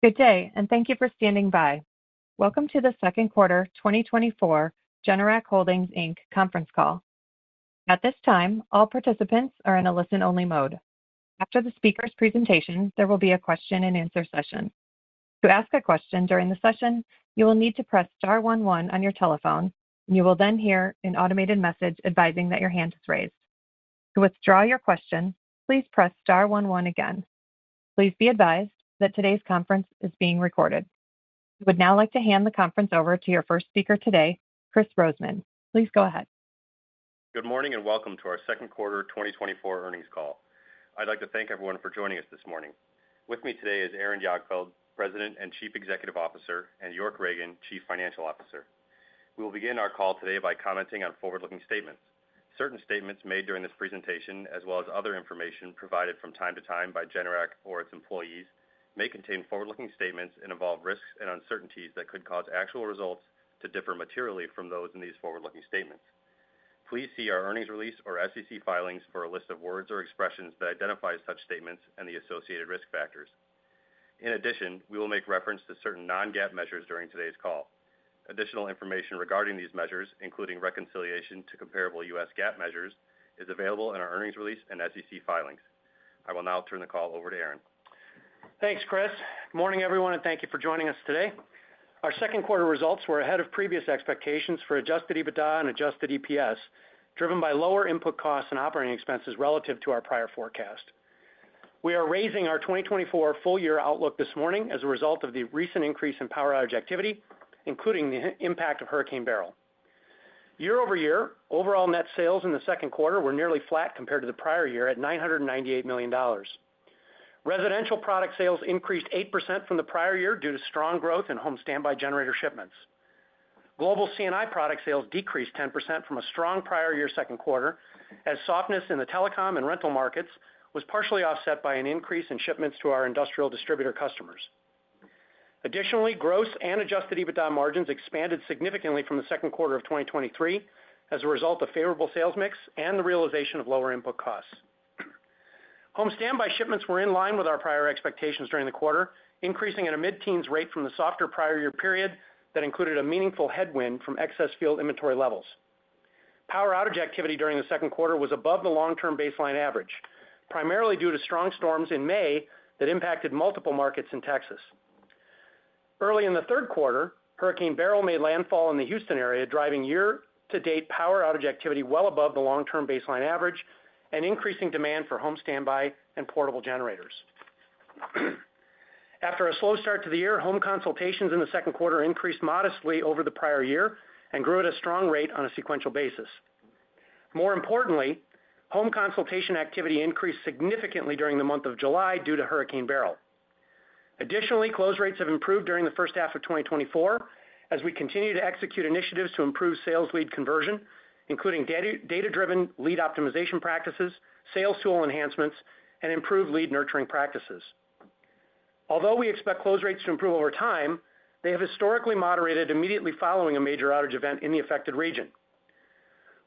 Good day, and thank you for standing by. Welcome to the second quarter 2024 Generac Holdings, Inc. conference call. At this time, all participants are in a listen-only mode. After the speaker's presentation, there will be a question-and-answer session. To ask a question during the session, you will need to press star one one on your telephone, and you will then hear an automated message advising that your hand is raised. To withdraw your question, please press star one one again. Please be advised that today's conference is being recorded. I would now like to hand the conference over to your first speaker today, Kris Rosemann. Please go ahead. Good morning, and welcome to our second quarter 2024 earnings call. I'd like to thank everyone for joining us this morning. With me today is Aaron Jagdfeld, President and Chief Executive Officer, and York Ragen, Chief Financial Officer. We will begin our call today by commenting on forward-looking statements. Certain statements made during this presentation, as well as other information provided from time to time by Generac or its employees, may contain forward-looking statements and involve risks and uncertainties that could cause actual results to differ materially from those in these forward-looking statements. Please see our earnings release or SEC filings for a list of words or expressions that identify such statements and the associated risk factors. In addition, we will make reference to certain non-GAAP measures during today's call. Additional information regarding these measures, including reconciliation to comparable U.S. GAAP measures, is available in our earnings release and SEC filings. I will now turn the call over to Aaron. Thanks, Kris. Good morning, everyone, and thank you for joining us today. Our second quarter results were ahead of previous expectations for Adjusted EBITDA and Adjusted EPS, driven by lower input costs and operating expenses relative to our prior forecast. We are raising our 2024 full-year outlook this morning as a result of the recent increase in power outage activity, including the impact of Hurricane Beryl. Year-over-year, overall net sales in the second quarter were nearly flat compared to the prior year at $998 million. Residential product sales increased 8% from the prior year due to strong growth in home standby generator shipments. Global C&I product sales decreased 10% from a strong prior year second quarter, as softness in the telecom and rental markets was partially offset by an increase in shipments to our industrial distributor customers. Additionally, gross and Adjusted EBITDA margins expanded significantly from the second quarter of 2023 as a result of favorable sales mix and the realization of lower input costs. Home standby shipments were in line with our prior expectations during the quarter, increasing at a mid-teens rate from the softer prior year period that included a meaningful headwind from excess field inventory levels. Power outage activity during the second quarter was above the long-term baseline average, primarily due to strong storms in May that impacted multiple markets in Texas. Early in the third quarter, Hurricane Beryl made landfall in the Houston area, driving year-to-date power outage activity well above the long-term baseline average and increasing demand for home standby and portable generators. After a slow start to the year, home consultations in the second quarter increased modestly over the prior year and grew at a strong rate on a sequential basis. More importantly, home consultation activity increased significantly during the month of July due to Hurricane Beryl. Additionally, close rates have improved during the first half of 2024 as we continue to execute initiatives to improve sales lead conversion, including data, data-driven lead optimization practices, sales tool enhancements, and improved lead nurturing practices. Although we expect close rates to improve over time, they have historically moderated immediately following a major outage event in the affected region.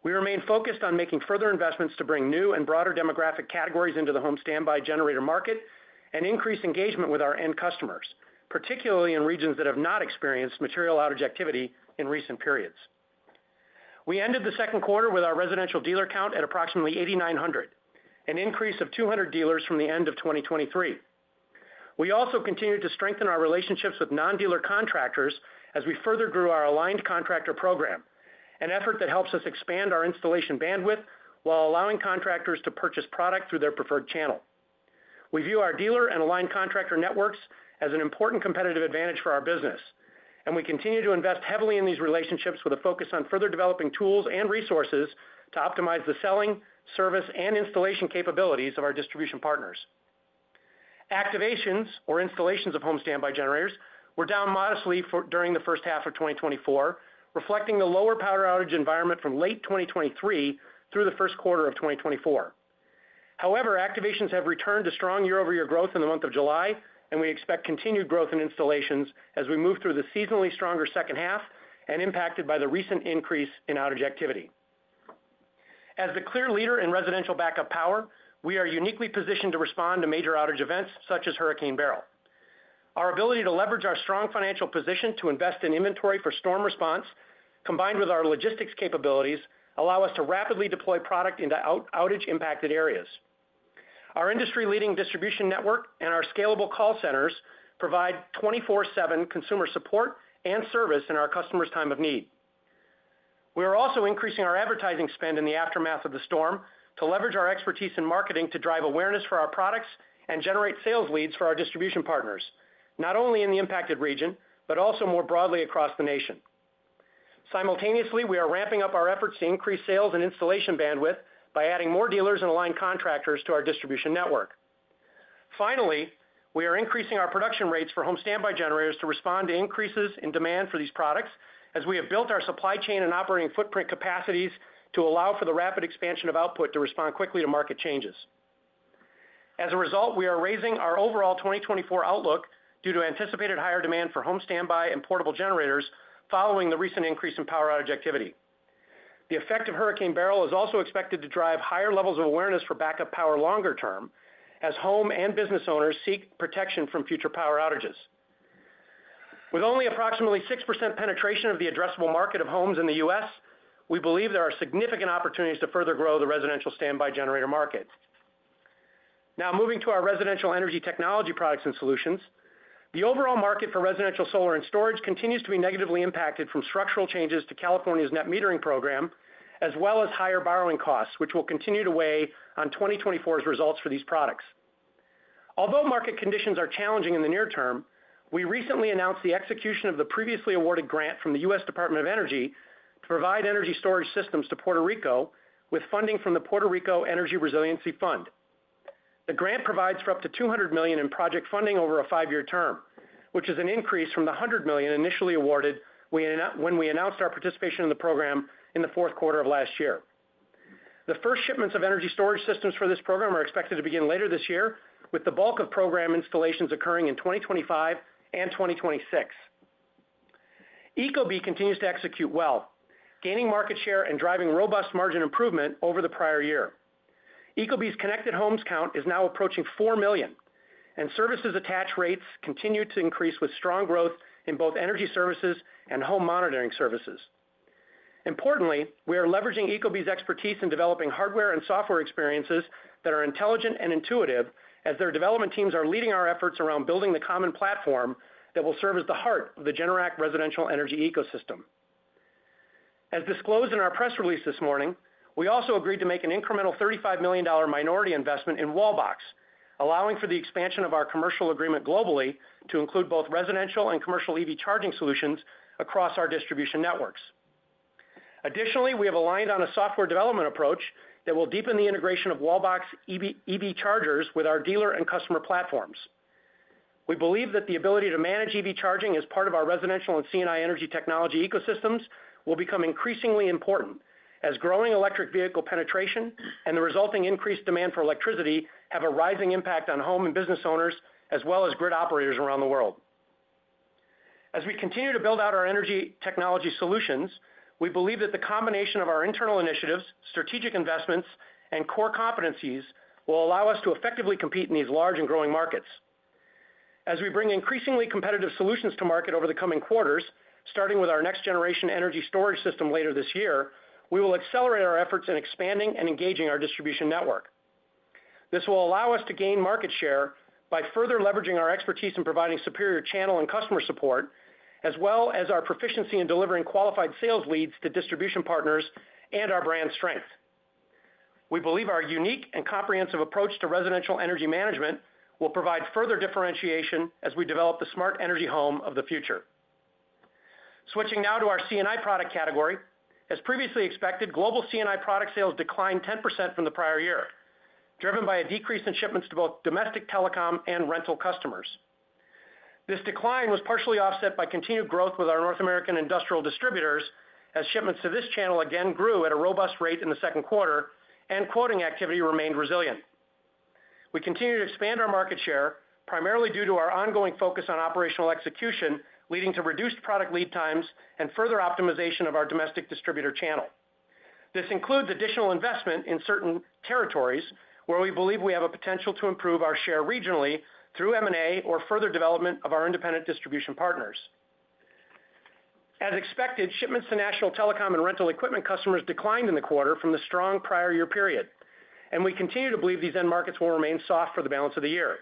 We remain focused on making further investments to bring new and broader demographic categories into the home standby generator market and increase engagement with our end customers, particularly in regions that have not experienced material outage activity in recent periods. We ended the second quarter with our residential dealer count at approximately 8,900, an increase of 200 dealers from the end of 2023. We also continued to strengthen our relationships with non-dealer contractors as we further grew our Aligned Contractor program, an effort that helps us expand our installation bandwidth while allowing contractors to purchase product through their preferred channel. We view our dealer and aligned contractor networks as an important competitive advantage for our business, and we continue to invest heavily in these relationships with a focus on further developing tools and resources to optimize the selling, service, and installation capabilities of our distribution partners. Activations or installations of home standby generators were down modestly during the first half of 2024, reflecting the lower power outage environment from late 2023 through the first quarter of 2024. However, activations have returned to strong year-over-year growth in the month of July, and we expect continued growth in installations as we move through the seasonally stronger second half and impacted by the recent increase in outage activity. As the clear leader in residential backup power, we are uniquely positioned to respond to major outage events such as Hurricane Beryl. Our ability to leverage our strong financial position to invest in inventory for storm response, combined with our logistics capabilities, allow us to rapidly deploy product into outage-impacted areas. Our industry-leading distribution network and our scalable call centers provide 24/7 consumer support and service in our customers' time of need. We are also increasing our advertising spend in the aftermath of the storm to leverage our expertise in marketing to drive awareness for our products and generate sales leads for our distribution partners, not only in the impacted region, but also more broadly across the nation. Simultaneously, we are ramping up our efforts to increase sales and installation bandwidth by adding more dealers and aligned contractors to our distribution network. Finally, we are increasing our production rates for home standby generators to respond to increases in demand for these products, as we have built our supply chain and operating footprint capacities to allow for the rapid expansion of output to respond quickly to market changes. As a result, we are raising our overall 2024 outlook due to anticipated higher demand for home standby and portable generators following the recent increase in power outage activity. The effect of Hurricane Beryl is also expected to drive higher levels of awareness for backup power longer term, as home and business owners seek protection from future power outages. With only approximately 6% penetration of the addressable market of homes in the U.S., we believe there are significant opportunities to further grow the residential standby generator market. Now, moving to our residential energy technology products and solutions, the overall market for residential solar and storage continues to be negatively impacted from structural changes to California's net metering program, as well as higher borrowing costs, which will continue to weigh on 2024's results for these products. Although market conditions are challenging in the near term, we recently announced the execution of the previously awarded grant from the U.S. Department of Energy to provide energy storage systems to Puerto Rico, with funding from the Puerto Rico Energy Resiliency Fund. The grant provides for up to $200 million in project funding over a five-year term, which is an increase from the $100 million initially awarded when we announced our participation in the program in the fourth quarter of last year. The first shipments of energy storage systems for this program are expected to begin later this year, with the bulk of program installations occurring in 2025 and 2026. ecobee continues to execute well, gaining market share and driving robust margin improvement over the prior year. ecobee's connected homes count is now approaching four million, and services attach rates continue to increase, with strong growth in both energy services and home monitoring services. Importantly, we are leveraging ecobee's expertise in developing hardware and software experiences that are intelligent and intuitive, as their development teams are leading our efforts around building the common platform that will serve as the heart of the Generac residential energy ecosystem. As disclosed in our press release this morning, we also agreed to make an incremental $35 million minority investment in Wallbox, allowing for the expansion of our commercial agreement globally to include both residential and commercial EV charging solutions across our distribution networks. Additionally, we have aligned on a software development approach that will deepen the integration of Wallbox EV chargers with our dealer and customer platforms. We believe that the ability to manage EV charging as part of our residential and C&I energy technology ecosystems will become increasingly important, as growing electric vehicle penetration and the resulting increased demand for electricity have a rising impact on home and business owners, as well as grid operators around the world. As we continue to build out our energy technology solutions, we believe that the combination of our internal initiatives, strategic investments, and core competencies will allow us to effectively compete in these large and growing markets. As we bring increasingly competitive solutions to market over the coming quarters, starting with our next generation energy storage system later this year, we will accelerate our efforts in expanding and engaging our distribution network. This will allow us to gain market share by further leveraging our expertise in providing superior channel and customer support, as well as our proficiency in delivering qualified sales leads to distribution partners and our brand strength. We believe our unique and comprehensive approach to residential energy management will provide further differentiation as we develop the smart energy home of the future. Switching now to our C&I product category. As previously expected, global C&I product sales declined 10% from the prior year, driven by a decrease in shipments to both domestic telecom and rental customers. This decline was partially offset by continued growth with our North American industrial distributors, as shipments to this channel again grew at a robust rate in the second quarter and quoting activity remained resilient. We continue to expand our market share, primarily due to our ongoing focus on operational execution, leading to reduced product lead times and further optimization of our domestic distributor channel. This includes additional investment in certain territories where we believe we have a potential to improve our share regionally through M&A or further development of our independent distribution partners. As expected, shipments to national telecom and rental equipment customers declined in the quarter from the strong prior year period, and we continue to believe these end markets will remain soft for the balance of the year.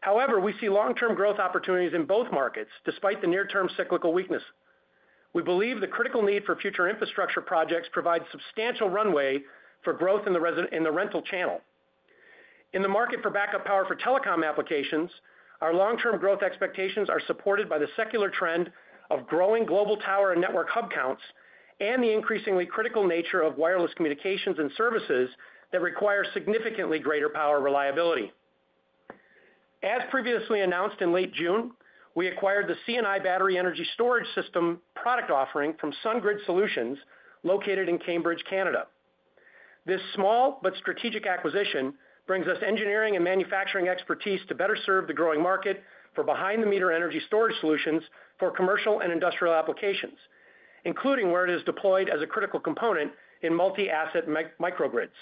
However, we see long-term growth opportunities in both markets, despite the near-term cyclical weakness. We believe the critical need for future infrastructure projects provides substantial runway for growth in the rental channel. In the market for backup power for telecom applications, our long-term growth expectations are supported by the secular trend of growing global tower and network hub counts, and the increasingly critical nature of wireless communications and services that require significantly greater power reliability. As previously announced in late June, we acquired the C&I battery energy storage system product offering from SunGrid Solutions, located in Cambridge, Canada. This small but strategic acquisition brings us engineering and manufacturing expertise to better serve the growing market for behind-the-meter energy storage solutions for commercial and industrial applications, including where it is deployed as a critical component in multi-asset microgrids.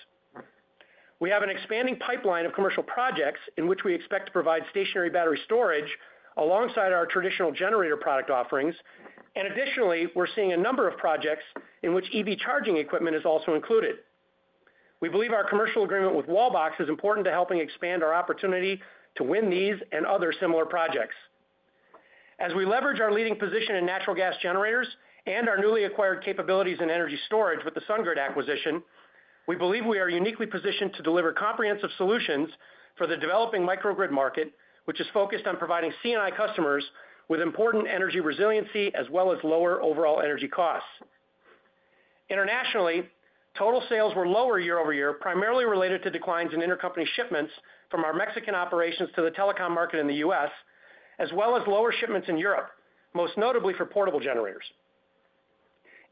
We have an expanding pipeline of commercial projects in which we expect to provide stationary battery storage alongside our traditional generator product offerings. Additionally, we're seeing a number of projects in which EV charging equipment is also included. We believe our commercial agreement with Wallbox is important to helping expand our opportunity to win these and other similar projects. As we leverage our leading position in natural gas generators and our newly acquired capabilities in energy storage with the SunGrid acquisition, we believe we are uniquely positioned to deliver comprehensive solutions for the developing microgrid market, which is focused on providing C&I customers with important energy resiliency, as well as lower overall energy costs. Internationally, total sales were lower year-over-year, primarily related to declines in intercompany shipments from our Mexican operations to the telecom market in the U.S., as well as lower shipments in Europe, most notably for portable generators.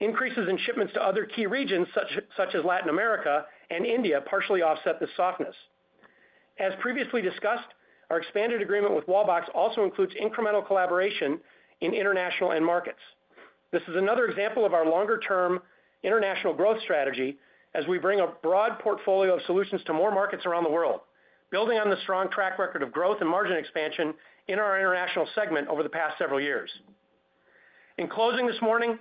Increases in shipments to other key regions, such as Latin America and India, partially offset this softness. As previously discussed, our expanded agreement with Wallbox also includes incremental collaboration in international end markets. This is another example of our longer-term international growth strategy as we bring a broad portfolio of solutions to more markets around the world, building on the strong track record of growth and margin expansion in our international segment over the past several years. In closing this morning,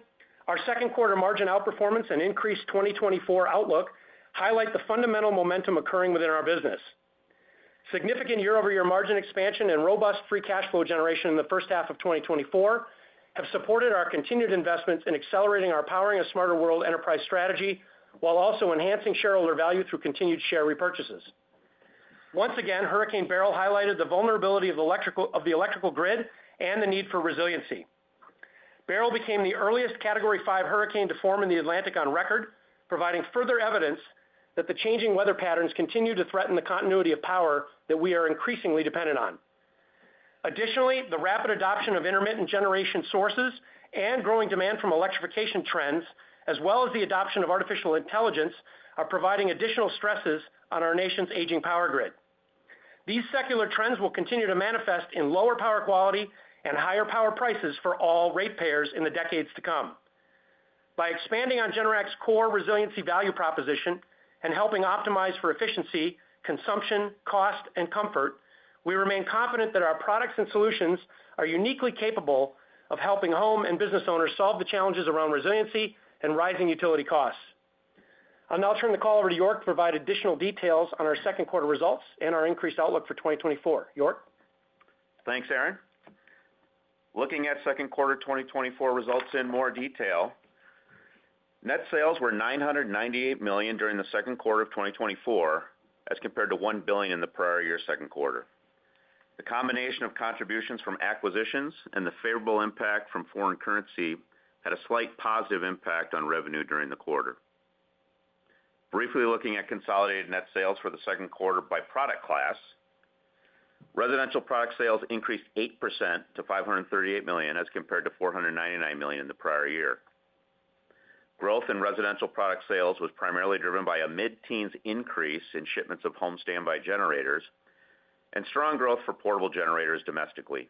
our second quarter margin outperformance and increased 2024 outlook highlight the fundamental momentum occurring within our business. Significant year-over-year margin expansion and robust free cash flow generation in the first half of 2024 have supported our continued investments in accelerating our Powering a Smarter World enterprise strategy, while also enhancing shareholder value through continued share repurchases. Once again, Hurricane Beryl highlighted the vulnerability of the electrical grid and the need for resiliency. Beryl became the earliest Category 5 hurricane to form in the Atlantic on record, providing further evidence that the changing weather patterns continue to threaten the continuity of power that we are increasingly dependent on. Additionally, the rapid adoption of intermittent generation sources and growing demand from electrification trends, as well as the adoption of artificial intelligence, are providing additional stresses on our nation's aging power grid. These secular trends will continue to manifest in lower power quality and higher power prices for all ratepayers in the decades to come. By expanding on Generac's core resiliency value proposition and helping optimize for efficiency, consumption, cost, and comfort, we remain confident that our products and solutions are uniquely capable of helping home and business owners solve the challenges around resiliency and rising utility costs. I'll now turn the call over to York to provide additional details on our second quarter results and our increased outlook for 2024. York? Thanks, Aaron. Looking at second quarter 2024 results in more detail, net sales were $998 million during the second quarter of 2024, as compared to $1 billion in the prior year's second quarter. The combination of contributions from acquisitions and the favorable impact from foreign currency had a slight positive impact on revenue during the quarter. Briefly looking at consolidated net sales for the second quarter by product class, residential product sales increased 8% to $538 million, as compared to $499 million in the prior year. Growth in residential product sales was primarily driven by a mid-teens increase in shipments of home standby generators and strong growth for portable generators domestically.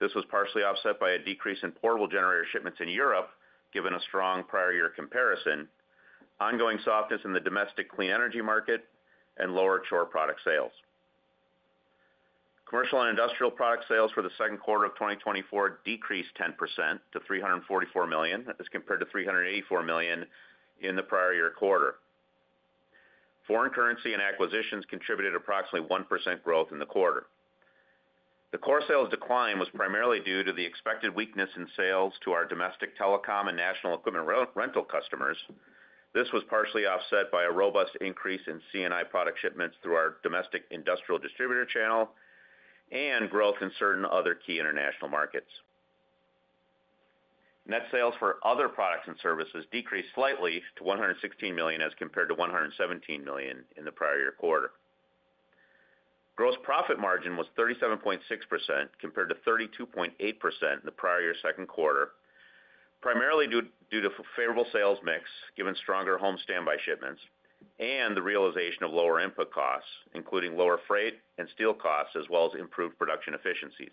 This was partially offset by a decrease in portable generator shipments in Europe, given a strong prior year comparison, ongoing softness in the domestic clean energy market and lower core product sales. Commercial and industrial product sales for the second quarter of 2024 decreased 10% to $344 million, as compared to $384 million in the prior year quarter. Foreign currency and acquisitions contributed approximately 1% growth in the quarter. The core sales decline was primarily due to the expected weakness in sales to our domestic telecom and national equipment re-rental customers. This was partially offset by a robust increase in C&I product shipments through our domestic industrial distributor channel and growth in certain other key international markets. Net sales for other products and services decreased slightly to $116 million, as compared to $117 million in the prior year quarter. Gross profit margin was 37.6%, compared to 32.8% in the prior year's second quarter, primarily due to favorable sales mix, given stronger home standby shipments and the realization of lower input costs, including lower freight and steel costs, as well as improved production efficiencies.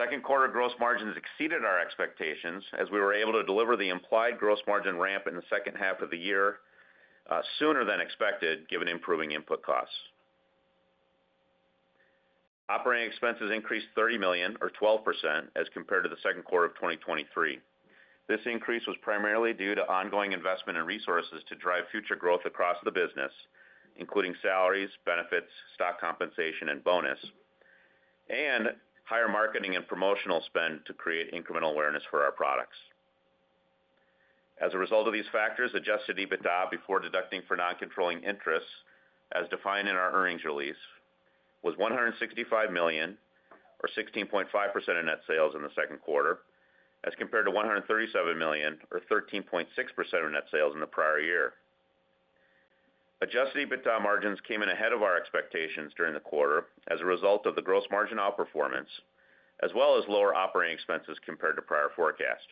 Second quarter gross margins exceeded our expectations, as we were able to deliver the implied gross margin ramp in the second half of the year, sooner than expected, given improving input costs. Operating expenses increased $30 million or 12% as compared to the second quarter of 2023. This increase was primarily due to ongoing investment in resources to drive future growth across the business, including salaries, benefits, stock compensation, and bonus, and higher marketing and promotional spend to create incremental awareness for our products. As a result of these factors, Adjusted EBITDA, before deducting for non-controlling interests, as defined in our earnings release, was $165 million, or 16.5% of net sales in the second quarter, as compared to $137 million, or 13.6% of net sales in the prior year. Adjusted EBITDA margins came in ahead of our expectations during the quarter as a result of the gross margin outperformance, as well as lower operating expenses compared to prior forecast.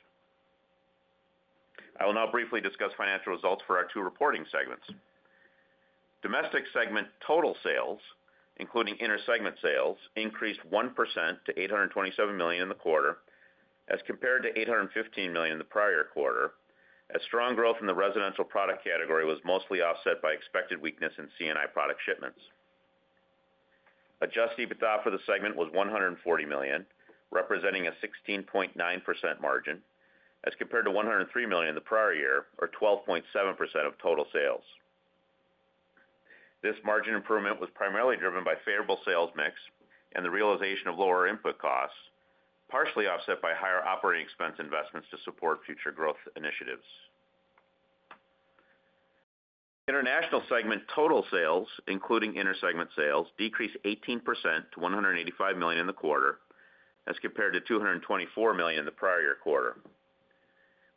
I will now briefly discuss financial results for our two reporting segments. Domestic segment total sales, including inter-segment sales, increased 1% to $827 million in the quarter, as compared to $815 million in the prior quarter, as strong growth in the residential product category was mostly offset by expected weakness in C&I product shipments. Adjusted EBITDA for the segment was $140 million, representing a 16.9% margin, as compared to $103 million in the prior year, or 12.7% of total sales. This margin improvement was primarily driven by favorable sales mix and the realization of lower input costs, partially offset by higher operating expense investments to support future growth initiatives. International segment total sales, including inter-segment sales, decreased 18% to $185 million in the quarter, as compared to $224 million in the prior year quarter.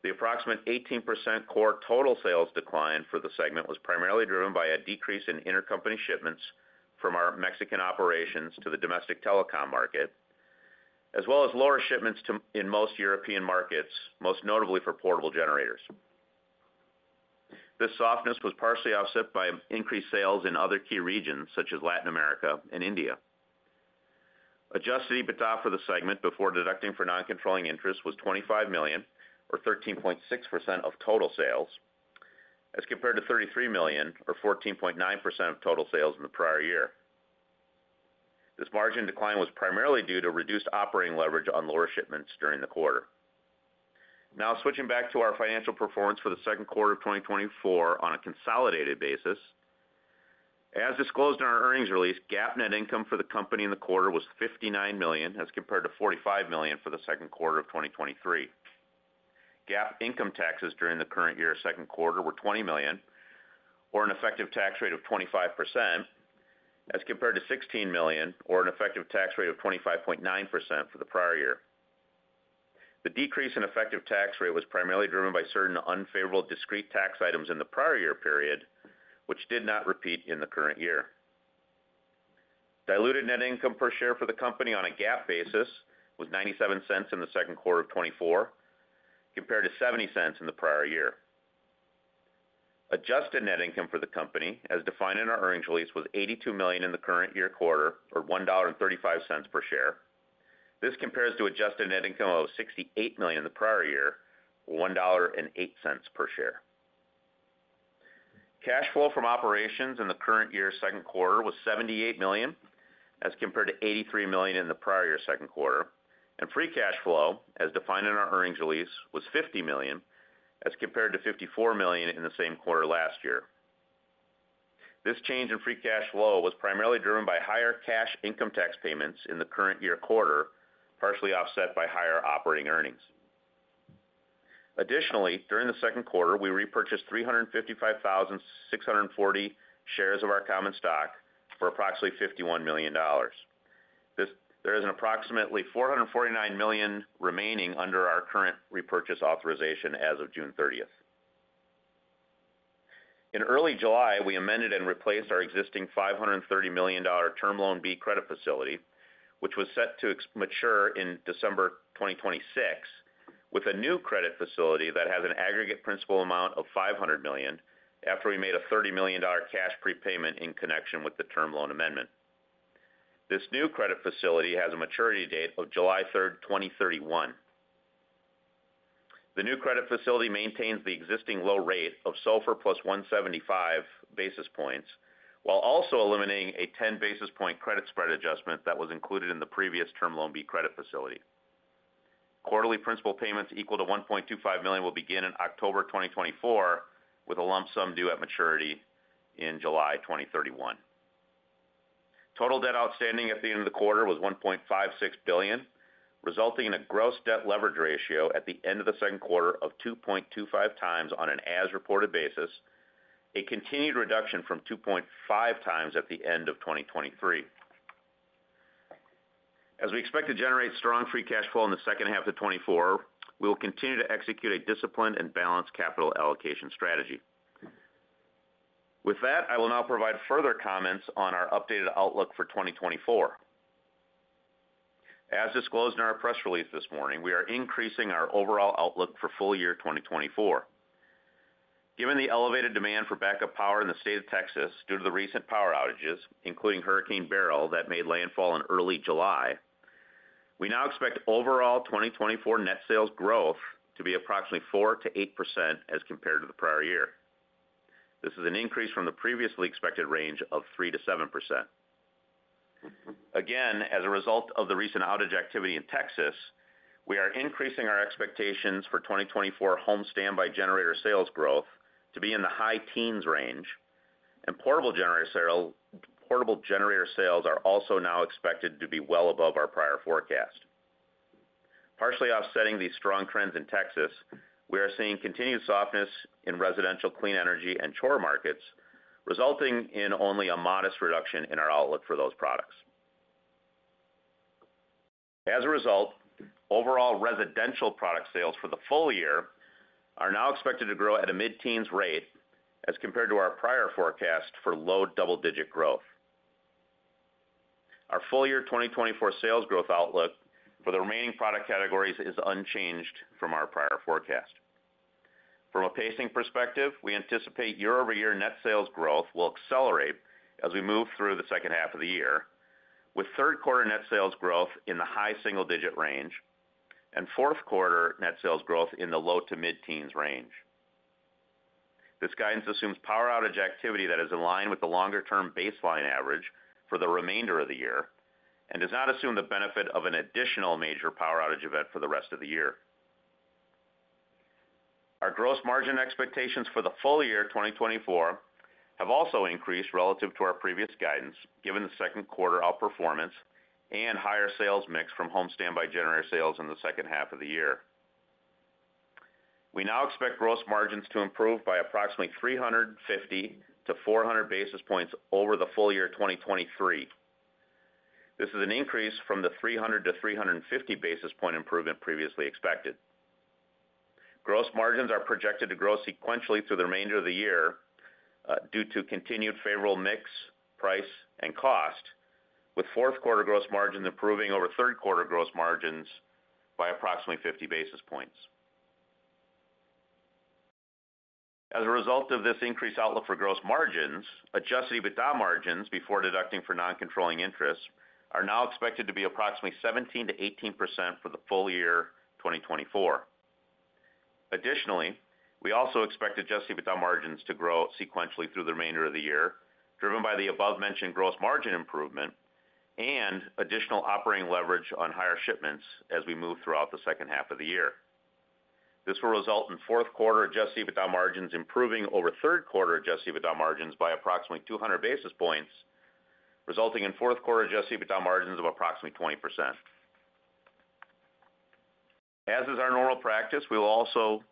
The approximate 18% core total sales decline for the segment was primarily driven by a decrease in intercompany shipments from our Mexican operations to the domestic telecom market, as well as lower shipments to, in most European markets, most notably for portable generators. This softness was partially offset by increased sales in other key regions, such as Latin America and India. Adjusted EBITDA for the segment before deducting for non-controlling interest was $25 million, or 13.6% of total sales, as compared to $33 million, or 14.9% of total sales in the prior year. This margin decline was primarily due to reduced operating leverage on lower shipments during the quarter. Now switching back to our financial performance for the second quarter of 2024 on a consolidated basis. As disclosed in our earnings release, GAAP net income for the company in the quarter was $59 million, as compared to $45 million for the second quarter of 2023. GAAP income taxes during the current year's second quarter were $20 million, or an effective tax rate of 25%, as compared to $16 million, or an effective tax rate of 25.9% for the prior year. The decrease in effective tax rate was primarily driven by certain unfavorable discrete tax items in the prior year period, which did not repeat in the current year. Diluted net income per share for the company on a GAAP basis was $0.97 in the second quarter of 2024, compared to $0.70 in the prior year. Adjusted net income for the company, as defined in our earnings release, was $82 million in the current year quarter, or $1.35 per share. This compares to adjusted net income of $68 million in the prior year, $1.08 per share. Cash flow from operations in the current year's second quarter was $78 million, as compared to $83 million in the prior year's second quarter, and free cash flow, as defined in our earnings release, was $50 million, as compared to $54 million in the same quarter last year. This change in free cash flow was primarily driven by higher cash income tax payments in the current year quarter, partially offset by higher operating earnings. Additionally, during the second quarter, we repurchased 355,640 shares of our common stock for approximately $51 million. There is approximately $449 million remaining under our current repurchase authorization as of June 30th. In early July, we amended and replaced our existing $530 million term loan B credit facility, which was set to mature in December 2026, with a new credit facility that has an aggregate principal amount of $500 million, after we made a $30 million cash prepayment in connection with the term loan amendment. This new credit facility has a maturity date of July 3rd, 2031. The new credit facility maintains the existing low rate of SOFR plus 175 basis points, while also eliminating a 10 basis point credit spread adjustment that was included in the previous term loan B credit facility. Quarterly principal payments equal to $1.25 million will begin in October 2024, with a lump sum due at maturity in July 2031. Total debt outstanding at the end of the quarter was $1.56 billion, resulting in a gross debt leverage ratio at the end of the second quarter of 2.25 times on an as-reported basis, a continued reduction from 2.5 times at the end of 2023. As we expect to generate strong free cash flow in the second half of 2024, we will continue to execute a disciplined and balanced capital allocation strategy. With that, I will now provide further comments on our updated outlook for 2024. As disclosed in our press release this morning, we are increasing our overall outlook for full year 2024. Given the elevated demand for backup power in the state of Texas due to the recent power outages, including Hurricane Beryl, that made landfall in early July, we now expect overall 2024 net sales growth to be approximately 4%-8% as compared to the prior year. This is an increase from the previously expected range of 3%-7%. Again, as a result of the recent outage activity in Texas, we are increasing our expectations for 2024 home standby generator sales growth to be in the high teens range, and portable generator sales are also now expected to be well above our prior forecast. Partially offsetting these strong trends in Texas, we are seeing continued softness in residential clean energy and core markets, resulting in only a modest reduction in our outlook for those products. As a result, overall residential product sales for the full year are now expected to grow at a mid-teens rate as compared to our prior forecast for low double-digit growth. Our full year 2024 sales growth outlook for the remaining product categories is unchanged from our prior forecast. From a pacing perspective, we anticipate year-over-year net sales growth will accelerate as we move through the second half of the year, with third quarter net sales growth in the high single digit range and fourth quarter net sales growth in the low to mid-teens range. This guidance assumes power outage activity that is in line with the longer-term baseline average for the remainder of the year and does not assume the benefit of an additional major power outage event for the rest of the year. Our gross margin expectations for the full year 2024 have also increased relative to our previous guidance, given the second quarter outperformance and higher sales mix from home standby generator sales in the second half of the year. We now expect gross margins to improve by approximately 350-400 basis points over the full year 2023. This is an increase from the 300-350 basis point improvement previously expected. Gross margins are projected to grow sequentially through the remainder of the year, due to continued favorable mix, price, and cost, with fourth quarter gross margin improving over third quarter gross margins by approximately 50 basis points. As a result of this increased outlook for gross margins, Adjusted EBITDA margins, before deducting for non-controlling interests, are now expected to be approximately 17%-18% for the full year 2024. Additionally, we also expect Adjusted EBITDA margins to grow sequentially through the remainder of the year, driven by the above-mentioned gross margin improvement and additional operating leverage on higher shipments as we move throughout the second half of the year. This will result in fourth quarter Adjusted EBITDA margins improving over third quarter Adjusted EBITDA margins by approximately 200 basis points, resulting in fourth quarter Adjusted EBITDA margins of approximately 20%. As is our normal practice, we will also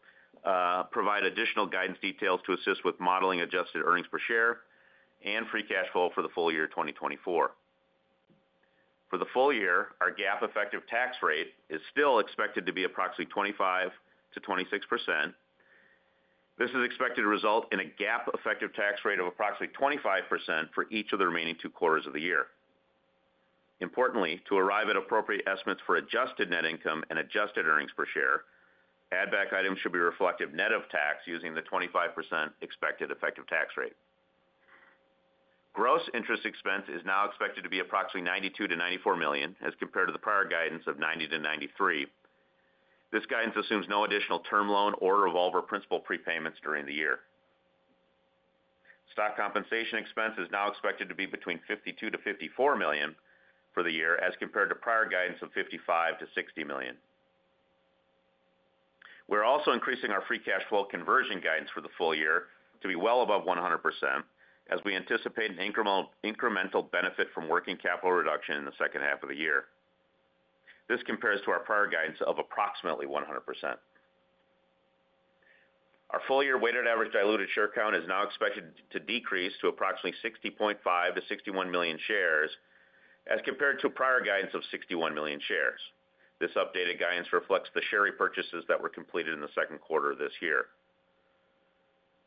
provide additional guidance details to assist with modeling adjusted earnings per share and free cash flow for the full year 2024. For the full year, our GAAP effective tax rate is still expected to be approximately 25%-26%. This is expected to result in a GAAP effective tax rate of approximately 25% for each of the remaining two quarters of the year. Importantly, to arrive at appropriate estimates for adjusted net income and adjusted earnings per share, add-back items should be reflective net of tax using the 25% expected effective tax rate. Gross interest expense is now expected to be approximately $92 million-$94 million, as compared to the prior guidance of $90 million-$93 million. This guidance assumes no additional term loan or revolver principal prepayments during the year. Stock compensation expense is now expected to be between $52 million-$54 million for the year, as compared to prior guidance of $55 million-$60 million. We're also increasing our free cash flow conversion guidance for the full year to be well above 100%, as we anticipate an incremental, incremental benefit from working capital reduction in the second half of the year. This compares to our prior guidance of approximately 100%. Our full-year weighted average diluted share count is now expected to decrease to approximately 60.5 million-61 million shares, as compared to prior guidance of 61 million shares. This updated guidance reflects the share repurchases that were completed in the second quarter of this year.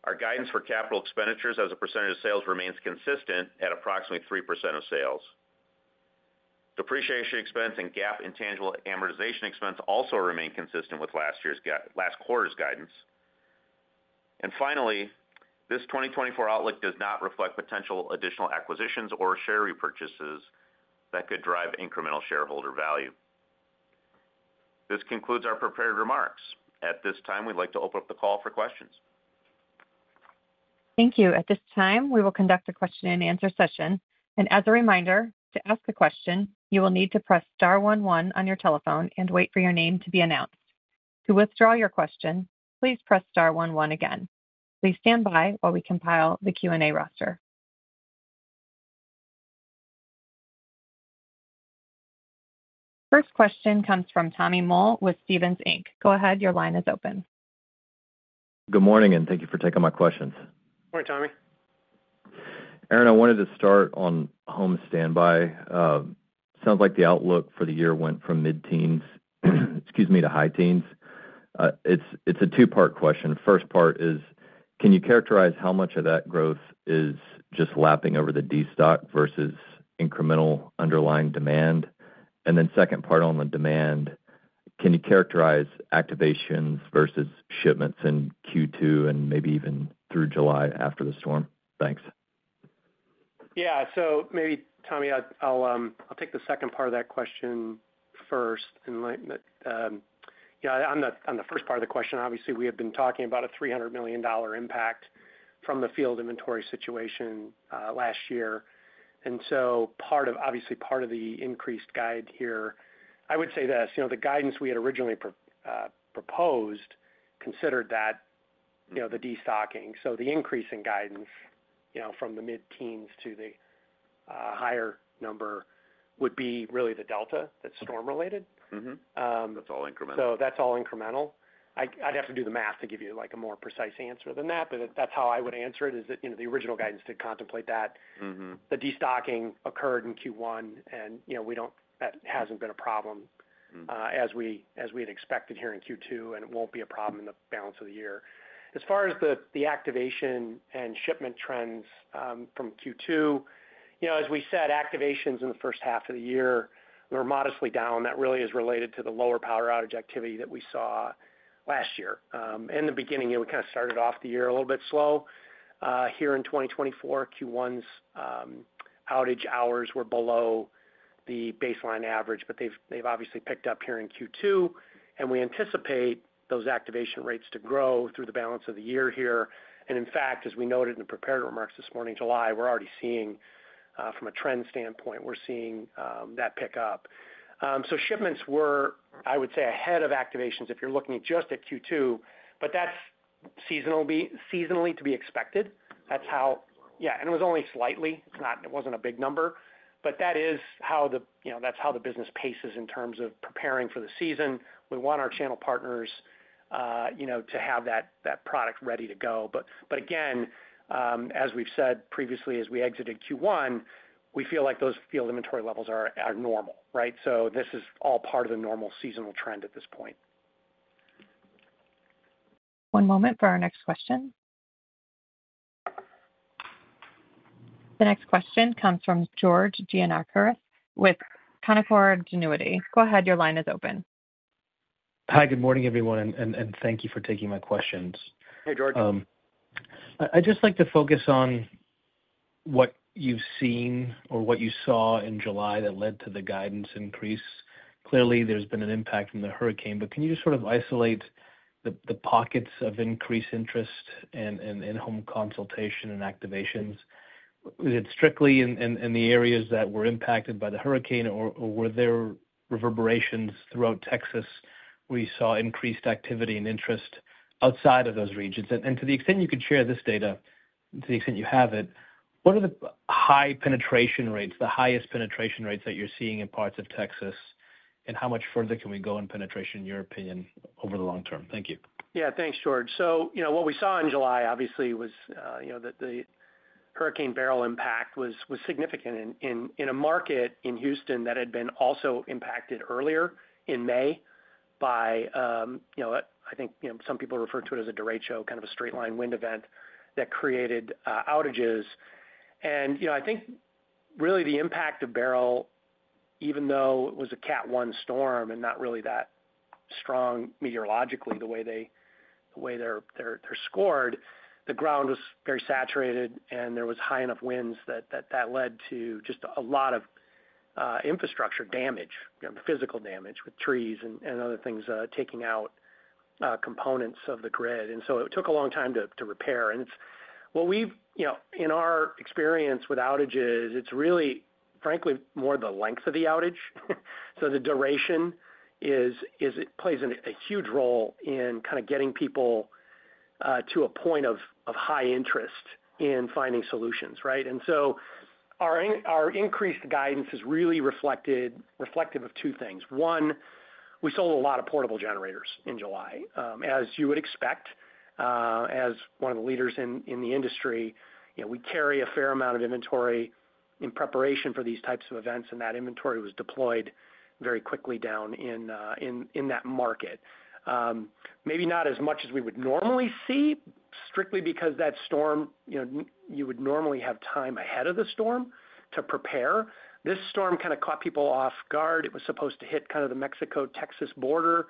Our guidance for capital expenditures as a percentage of sales remains consistent at approximately 3% of sales. Depreciation expense and GAAP intangible amortization expense also remain consistent with last quarter's guidance. Finally, this 2024 outlook does not reflect potential additional acquisitions or share repurchases that could drive incremental shareholder value. This concludes our prepared remarks. At this time, we'd like to open up the call for questions. Thank you. At this time, we will conduct a question-and-answer session. As a reminder, to ask a question, you will need to press star one one on your telephone and wait for your name to be announced. To withdraw your question, please press star one one again. Please stand by while we compile the Q&A roster. First question comes from Tommy Moll with Stephens Inc. Go ahead, your line is open. Good morning, and thank you for taking my questions. Morning, Tommy. Aaron, I wanted to start on home standby. Sounds like the outlook for the year went from mid-teens, excuse me, to high teens. It's, it's a two-part question. First part is, can you characterize how much of that growth is just lapping over the destock versus incremental underlying demand? And then second part on the demand, can you characterize activations versus shipments in Q2 and maybe even through July after the storm? Thanks. Yeah. So maybe, Tommy, I'll take the second part of that question first. And like, yeah, on the first part of the question, obviously, we have been talking about a $300 million impact from the field inventory situation last year. And so part of, obviously, part of the increased guide here, I would say this, you know, the guidance we had originally proposed considered that, you know, the destocking. So the increase in guidance, you know, from the mid-teens to the higher number would be really the delta that's storm related. Mm-hmm. That's all incremental. So that's all incremental. I'd, I'd have to do the math to give you, like, a more precise answer than that, but that's how I would answer it, is that, you know, the original guidance did contemplate that. Mm-hmm. The destocking occurred in Q1, and, you know, that hasn't been a problem. Mm As we had expected here in Q2, and it won't be a problem in the balance of the year. As far as the activation and shipment trends from Q2, you know, as we said, activations in the first half of the year were modestly down. That really is related to the lower power outage activity that we saw last year. In the beginning, you know, we kind of started off the year a little bit slow. Here in 2024, Q1's outage hours were below the baseline average, but they've obviously picked up here in Q2, and we anticipate those activation rates to grow through the balance of the year here. And in fact, as we noted in the prepared remarks this morning, July, we're already seeing from a trend standpoint, we're seeing that pick up. So shipments were, I would say, ahead of activations if you're looking just at Q2, but that's seasonally to be expected. That's how, yeah, and it was only slightly. It's not. It wasn't a big number. But that is how the, you know, that's how the business paces in terms of preparing for the season. We want our channel partners, you know, to have that product ready to go. But again, as we've said previously, as we exited Q1, we feel like those field inventory levels are normal, right? So this is all part of the normal seasonal trend at this point. One moment for our next question. The next question comes from George Gianarikas with Canaccord Genuity. Go ahead, your line is open. Hi, good morning, everyone, and thank you for taking my questions. Hey, George. I'd just like to focus on what you've seen or what you saw in July that led to the guidance increase. Clearly, there's been an impact from the hurricane, but can you just sort of isolate the pockets of increased interest in in-home consultation and activations? Is it strictly in the areas that were impacted by the hurricane, or were there reverberations throughout Texas, where you saw increased activity and interest outside of those regions? And to the extent you could share this data, to the extent you have it, what are the high penetration rates, the highest penetration rates that you're seeing in parts of Texas, and how much further can we go in penetration, in your opinion, over the long term? Thank you. Yeah, thanks, George. So, you know, what we saw in July, obviously, was, you know, that the Hurricane Beryl impact was significant in a market in Houston that had been also impacted earlier in May by, you know, I think, you know, some people refer to it as a derecho, kind of a straight-line wind event that created outages. And, you know, I think really the impact of Beryl, even though it was a Cat 1 storm and not really that strong meteorologically, the way they're scored, the ground was very saturated, and there was high enough winds that led to just a lot of infrastructure damage, you know, physical damage, with trees and other things taking out components of the grid. And so it took a long time to repair. What we've you know, in our experience with outages, it's really, frankly, more the length of the outage. So the duration is it plays a huge role in kind of getting people to a point of high interest in finding solutions, right? And so our increased guidance is really reflective of two things. One, we sold a lot of portable generators in July. As you would expect, as one of the leaders in the industry, you know, we carry a fair amount of inventory in preparation for these types of events, and that inventory was deployed very quickly down in that market. Maybe not as much as we would normally see, strictly because that storm, you know, you would normally have time ahead of the storm to prepare. This storm kind of caught people off guard. It was supposed to hit kind of the Mexico-Texas border,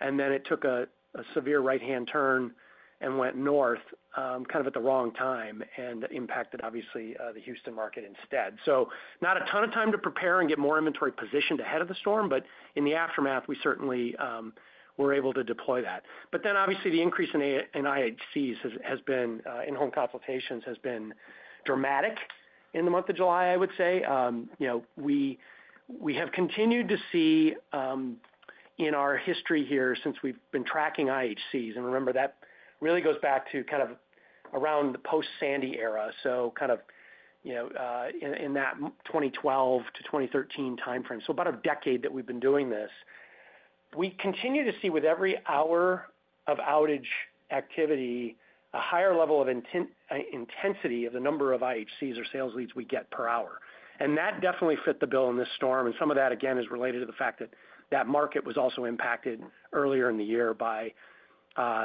and then it took a severe right-hand turn and went north, kind of at the wrong time and impacted, obviously, the Houston market instead. So not a ton of time to prepare and get more inventory positioned ahead of the storm, but in the aftermath, we certainly were able to deploy that. But then, obviously, the increase in IHCs, in-home consultations, has been dramatic in the month of July, I would say. You know, we have continued to see in our history here since we've been tracking IHCs, and remember, that really goes back to kind of around the post-Sandy era, so kind of, you know, in that 2012 to 2013 timeframe, so about a decade that we've been doing this. We continue to see with every hour of outage activity, a higher level of intensity of the number of IHCs or sales leads we get per hour, and that definitely fit the bill in this storm. And some of that, again, is related to the fact that that market was also impacted earlier in the year by,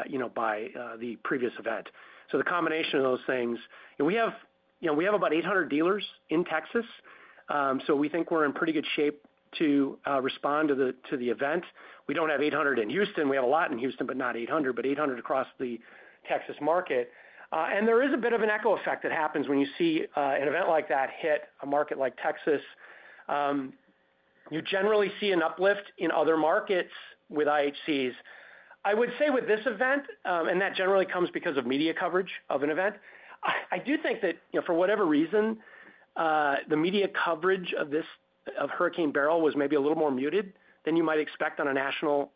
you know, by the previous event. So the combination of those things. We have, you know, we have about 800 dealers in Texas, so we think we're in pretty good shape to respond to the, to the event. We don't have 800 in Houston. We have a lot in Houston, but not 800, but 800 across the Texas market. And there is a bit of an echo effect that happens when you see an event like that hit a market like Texas. You generally see an uplift in other markets with IHCs. I would say with this event, and that generally comes because of media coverage of an event, I, I do think that, you know, for whatever reason, the media coverage of this, of Hurricane Beryl was maybe a little more muted than you might expect on a national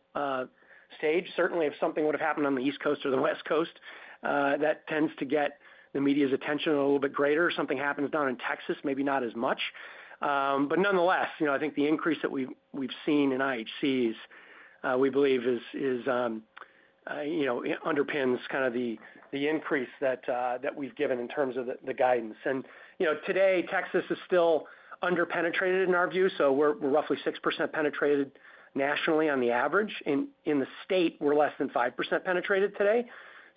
stage. Certainly, if something would have happened on the East Coast or the West Coast, that tends to get the media's attention a little bit greater. Something happens down in Texas, maybe not as much. But nonetheless, you know, I think the increase that we've, we've seen in IHCs, we believe is, is, you know, underpins kind of the, the increase that, that we've given in terms of the, the guidance. And, you know, today, Texas is still underpenetrated in our view, so we're roughly 6% penetrated nationally on the average. In, in the state, we're less than 5% penetrated today.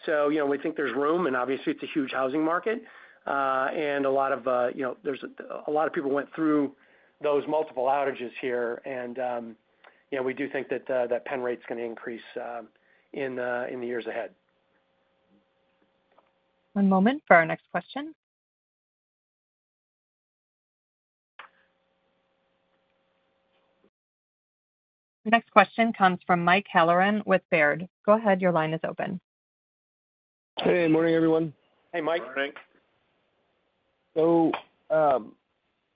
So, you know, we think there's room, and obviously, it's a huge housing market. And a lot of, you know, there's a lot of people went through those multiple outages here, and, you know, we do think that that pen rate's gonna increase in the years ahead. One moment for our next question. The next question comes from Mike Halloran with Baird. Go ahead. Your line is open. Hey, morning, everyone. Hey, Mike. Morning. So,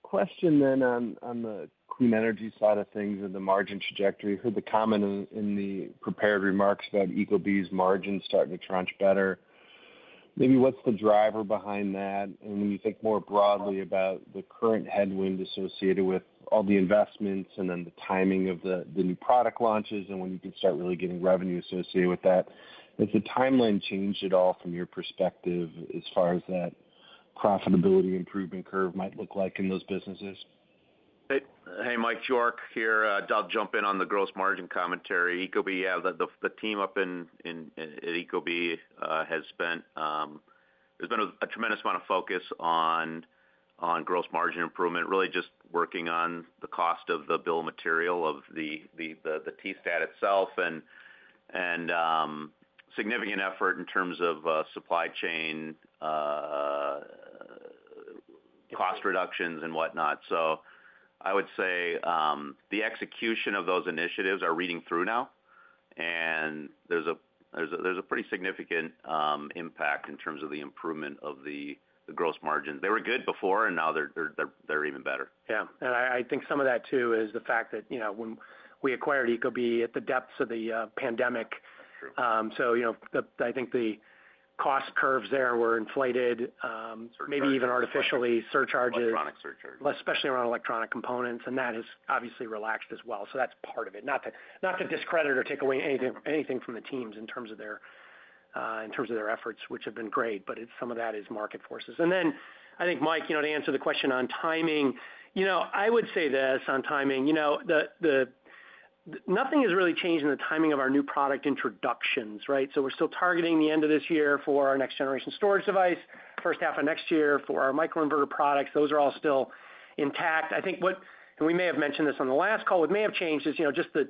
question then on the clean energy side of things and the margin trajectory. Heard the comment in the prepared remarks about ecobee's margin starting to trend better. Maybe what's the driver behind that? And when you think more broadly about the current headwind associated with all the investments and then the timing of the new product launches and when you can start really getting revenue associated with that, has the timeline changed at all from your perspective as far as that profitability improvement curve might look like in those businesses? Hey, Mike York here. I'll jump in on the gross margin commentary. ecobee, the team up in at ecobee has spent, there's been a tremendous amount of focus on gross margin improvement, really just working on the cost of the bill material of the T-stat itself, and significant effort in terms of supply chain cost reductions and whatnot. So I would say, the execution of those initiatives are reading through now, and there's a pretty significant impact in terms of the improvement of the gross margin. They were good before, and now they're even better. Yeah, and I think some of that too is the fact that, you know, when we acquired ecobee at the depths of the pandemic. True. So, you know, I think the cost curves there were inflated. Surcharges. Maybe even artificially, surcharges. Electronic surcharges. Less, especially around electronic components, and that has obviously relaxed as well. So that's part of it. Not to, not to discredit or take away anything, anything from the teams in terms of their, in terms of their efforts, which have been great, but it's some of that is market forces. And then I think, Mike, you know, to answer the question on timing, you know, I would say this on timing, you know, nothing has really changed in the timing of our new product introductions, right? So we're still targeting the end of this year for our next generation storage device, first half of next year for our microinverter products. Those are all still intact. I think, and we may have mentioned this on the last call, what may have changed is, you know, just the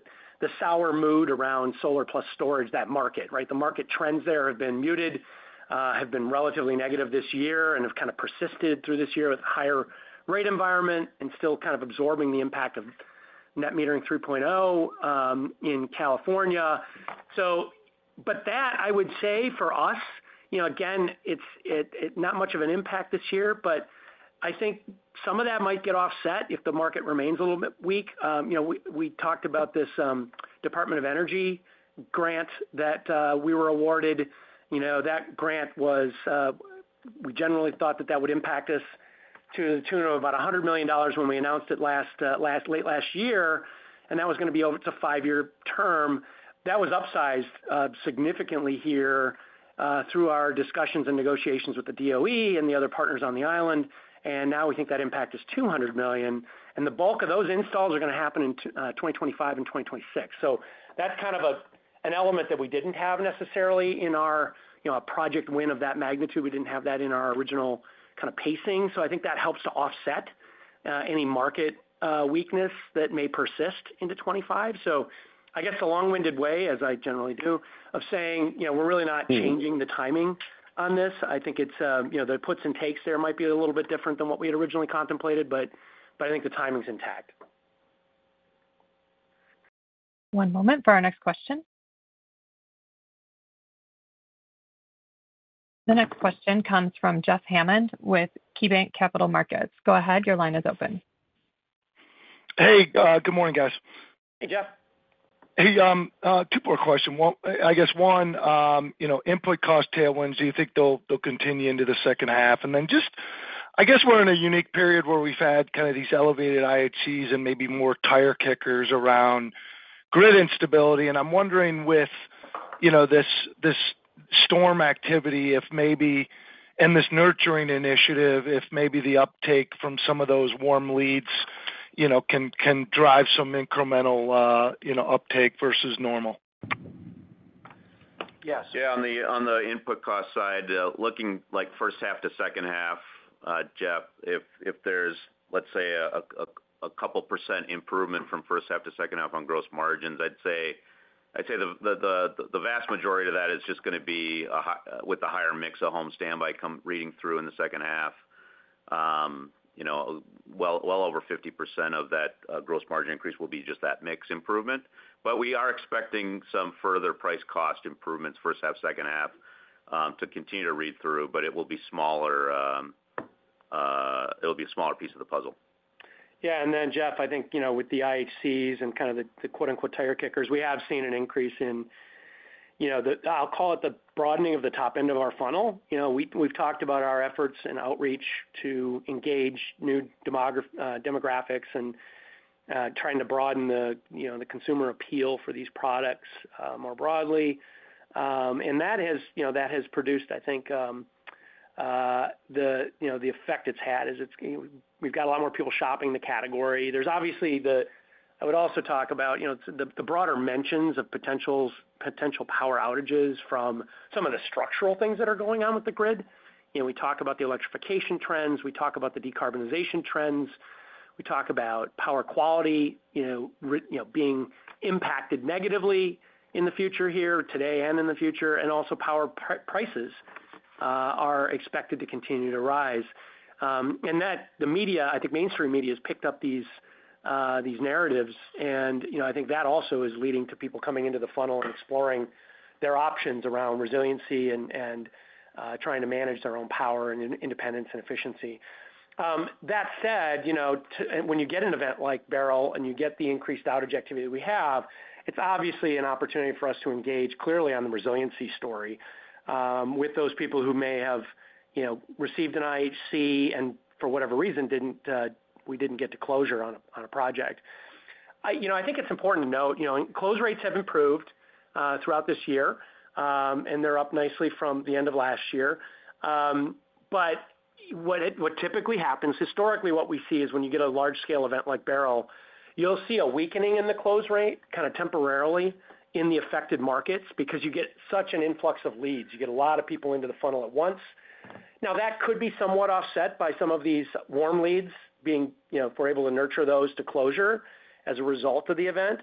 sour mood around solar plus storage, that market, right? The market trends there have been muted, have been relatively negative this year and have kind of persisted through this year with higher rate environment and still kind of absorbing the impact of Net metering 3.0 in California. But that, I would say, for us, you know, again, it's not much of an impact this year, but I think some of that might get offset if the market remains a little bit weak. You know, we talked about this Department of Energy grant that we were awarded. You know, that grant was, we generally thought that that would impact us to the tune of about $100 million when we announced it last, late last year, and that was gonna be over, it's a five-year term. That was upsized, significantly here, through our discussions and negotiations with the DOE and the other partners on the island, and now we think that impact is $200 million, and the bulk of those installs are gonna happen in 2025 and 2026. So that's kind of an element that we didn't have necessarily in our, you know, a project win of that magnitude. We didn't have that in our original kind of pacing, so I think that helps to offset, any market, weakness that may persist into 2025. So I guess a long-winded way, as I generally do, of saying, you know, we're really not- Mm-hmm. changing the timing on this. I think it's, you know, the puts and takes there might be a little bit different than what we had originally contemplated, but I think the timing's intact. One moment for our next question. The next question comes from Jeff Hammond with KeyBanc Capital Markets. Go ahead, your line is open. Hey, good morning, guys. Hey, Jeff. Hey, two-part question. One, you know, input cost tailwinds, do you think they'll continue into the second half? And then just, I guess we're in a unique period where we've had kind of these elevated IHCs and maybe more tire kickers around grid instability, and I'm wondering with, you know, this storm activity, if maybe, and this nurturing initiative, if maybe the uptake from some of those warm leads, you know, can drive some incremental, you know, uptake versus normal? Yes. Yeah, on the input cost side, looking like first half to second half, Jeff, if there's, let's say, a couple percent improvement from first half to second half on gross margins, I'd say the vast majority of that gross margin increase will be just gonna be with the higher mix of home standby coming through in the second half. You know, well over 50% of that gross margin increase will be just that mix improvement. But we are expecting some further price-cost improvements first half, second half, to continue to read through, but it will be smaller, it'll be a smaller piece of the puzzle. Yeah, and then, Jeff, I think, you know, with the IHCs and kind of the, the, quote-unquote, "tire kickers," we have seen an increase in, you know, the... I'll call it the broadening of the top end of our funnel. You know, we, we've talked about our efforts and outreach to engage new demographics and trying to broaden the, you know, the consumer appeal for these products more broadly. And that has, you know, that has produced, I think, the effect it's had is it's, we've got a lot more people shopping the category. There's obviously the-- I would also talk about, you know, the broader mentions of potential power outages from some of the structural things that are going on with the grid. You know, we talk about the electrification trends, we talk about the decarbonization trends, we talk about power quality, you know, being impacted negatively in the future here, today and in the future, and also power prices are expected to continue to rise. And that, the media, I think mainstream media, has picked up these, these narratives, and, you know, I think that also is leading to people coming into the funnel and exploring their options around resiliency and trying to manage their own power and independence and efficiency. That said, you know, when you get an event like Beryl and you get the increased outage activity we have, it's obviously an opportunity for us to engage clearly on the resiliency story with those people who may have, you know, received an IHC, and for whatever reason, didn't, we didn't get to closure on a project. You know, I think it's important to note, you know, close rates have improved throughout this year, and they're up nicely from the end of last year. But what typically happens, historically, what we see is when you get a large-scale event like Beryl, you'll see a weakening in the close rate, kind of temporarily in the affected markets because you get such an influx of leads. You get a lot of people into the funnel at once. Now, that could be somewhat offset by some of these warm leads being, you know, if we're able to nurture those to closure as a result of the event.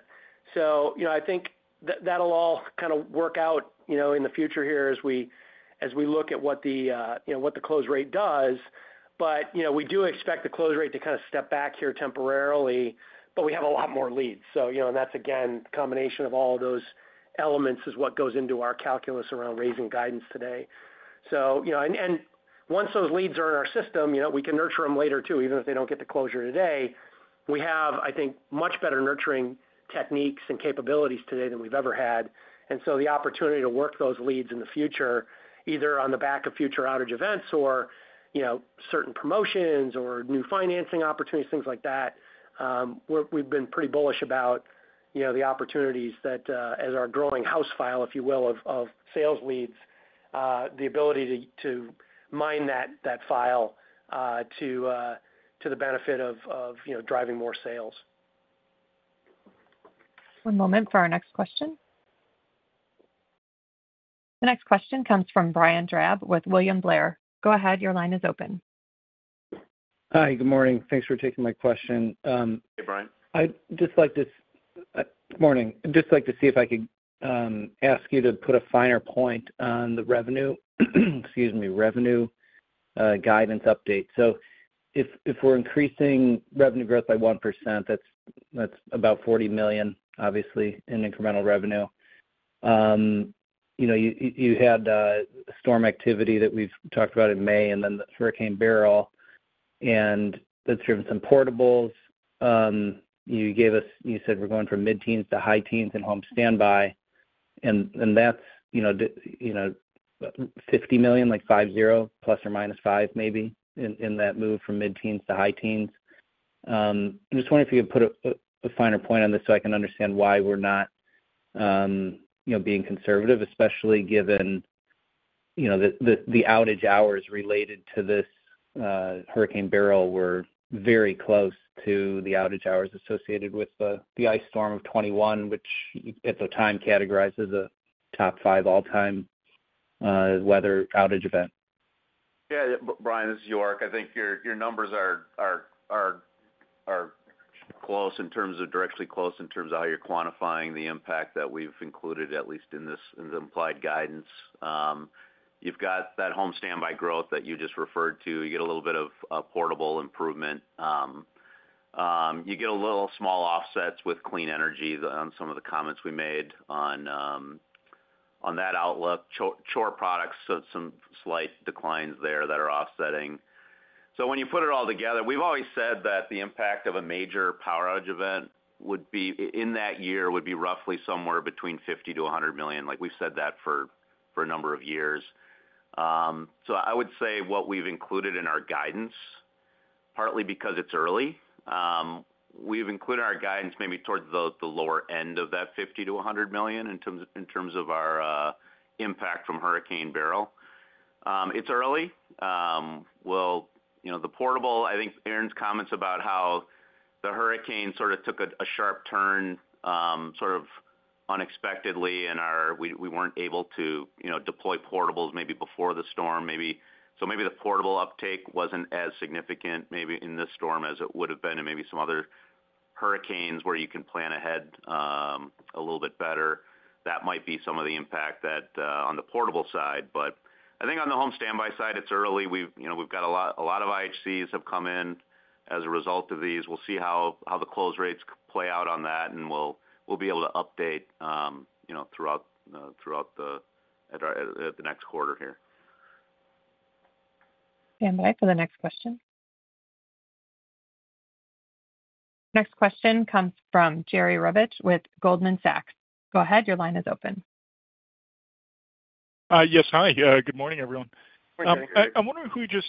So, you know, I think that, that'll all kind of work out, you know, in the future here as we, as we look at what the, you know, what the close rate does. But, you know, we do expect the close rate to kind of step back here temporarily, but we have a lot more leads. So, you know, and that's, again, combination of all those elements is what goes into our calculus around raising guidance today. So, you know, and, and once those leads are in our system, you know, we can nurture them later, too, even if they don't get the closure today. We have, I think, much better nurturing techniques and capabilities today than we've ever had. So the opportunity to work those leads in the future, either on the back of future outage events or, you know, certain promotions or new financing opportunities, things like that, we've been pretty bullish about, you know, the opportunities that, as our growing house file, if you will, of sales leads, the ability to mine that file to the benefit of, you know, driving more sales. One moment for our next question. The next question comes from Brian Drab with William Blair. Go ahead, your line is open. Hi, good morning. Thanks for taking my question. Hey, Brian. I'd just like to.. morning. Just like to see if I could, ask you to put a finer point on the revenue, excuse me, revenue, guidance update. So if, if we're increasing revenue growth by 1%, that's, that's about $40 million, obviously, in incremental revenue. You know, you had, storm activity that we've talked about in May and then the Hurricane Beryl, and that driven some portables. You gave us, you said we're going from mid-teens to high teens in home standby, and, and that's, you know, the, you know, $50 million, like 50, ±5, maybe, in, in that move from mid-teens to high teens. I just wonder if you could put a finer point on this so I can understand why we're not, you know, being conservative, especially given, you know, the outage hours related to this Hurricane Beryl were very close to the outage hours associated with the ice storm of 2021, which at the time, categorized as a top five all-time weather outage event. Yeah, Brian, this is York. I think your numbers are directionally close in terms of how you're quantifying the impact that we've included, at least in this- in the implied guidance. You've got that home standby growth that you just referred to. You get a little bit of portable improvement. You get a little small offsets with clean energy on some of the comments we made on that outlook. Other products, so some slight declines there that are offsetting. So when you put it all together, we've always said that the impact of a major power outage event would be in that year, would be roughly somewhere between $50 million-$100 million. Like, we've said that for a number of years. So I would say what we've included in our guidance, partly because it's early, we've included our guidance maybe towards the lower end of that $50 million-$100 million in terms of our impact from Hurricane Beryl. It's early. We'll... You know, the portable, I think Aaron's comments about how the hurricane sort of took a sharp turn sort of unexpectedly, and we weren't able to, you know, deploy portables maybe before the storm. Maybe-- So maybe the portable uptake wasn't as significant, maybe, in this storm as it would have been in maybe some other hurricanes where you can plan ahead a little bit better. That might be some of the impact that on the portable side, but I think on the home standby side, it's early. We've, you know, we've got a lot, a lot of IHCs have come in as a result of these. We'll see how the close rates play out on that, and we'll be able to update, you know, throughout at our next quarter here. Stand by for the next question. Next question comes from Jerry Revich with Goldman Sachs. Go ahead, your line is open. Yes, hi. Good morning, everyone. Good morning. I'm wondering if we just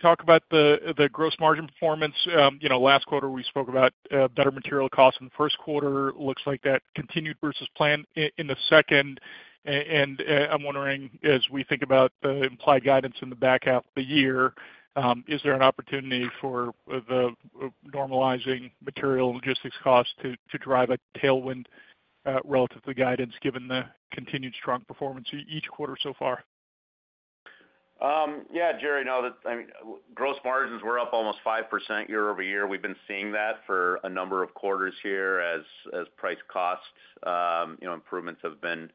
talk about the gross margin performance. You know, last quarter, we spoke about better material costs, and the first quarter looks like that continued versus plan in the second. And, I'm wondering, as we think about the implied guidance in the back half of the year, is there an opportunity for the normalizing material logistics costs to drive a tailwind relative to the guidance, given the continued strong performance each quarter so far? Yeah, Jerry, no, the, I mean, gross margins were up almost 5% year-over-year. We've been seeing that for a number of quarters here as price costs, you know, improvements have been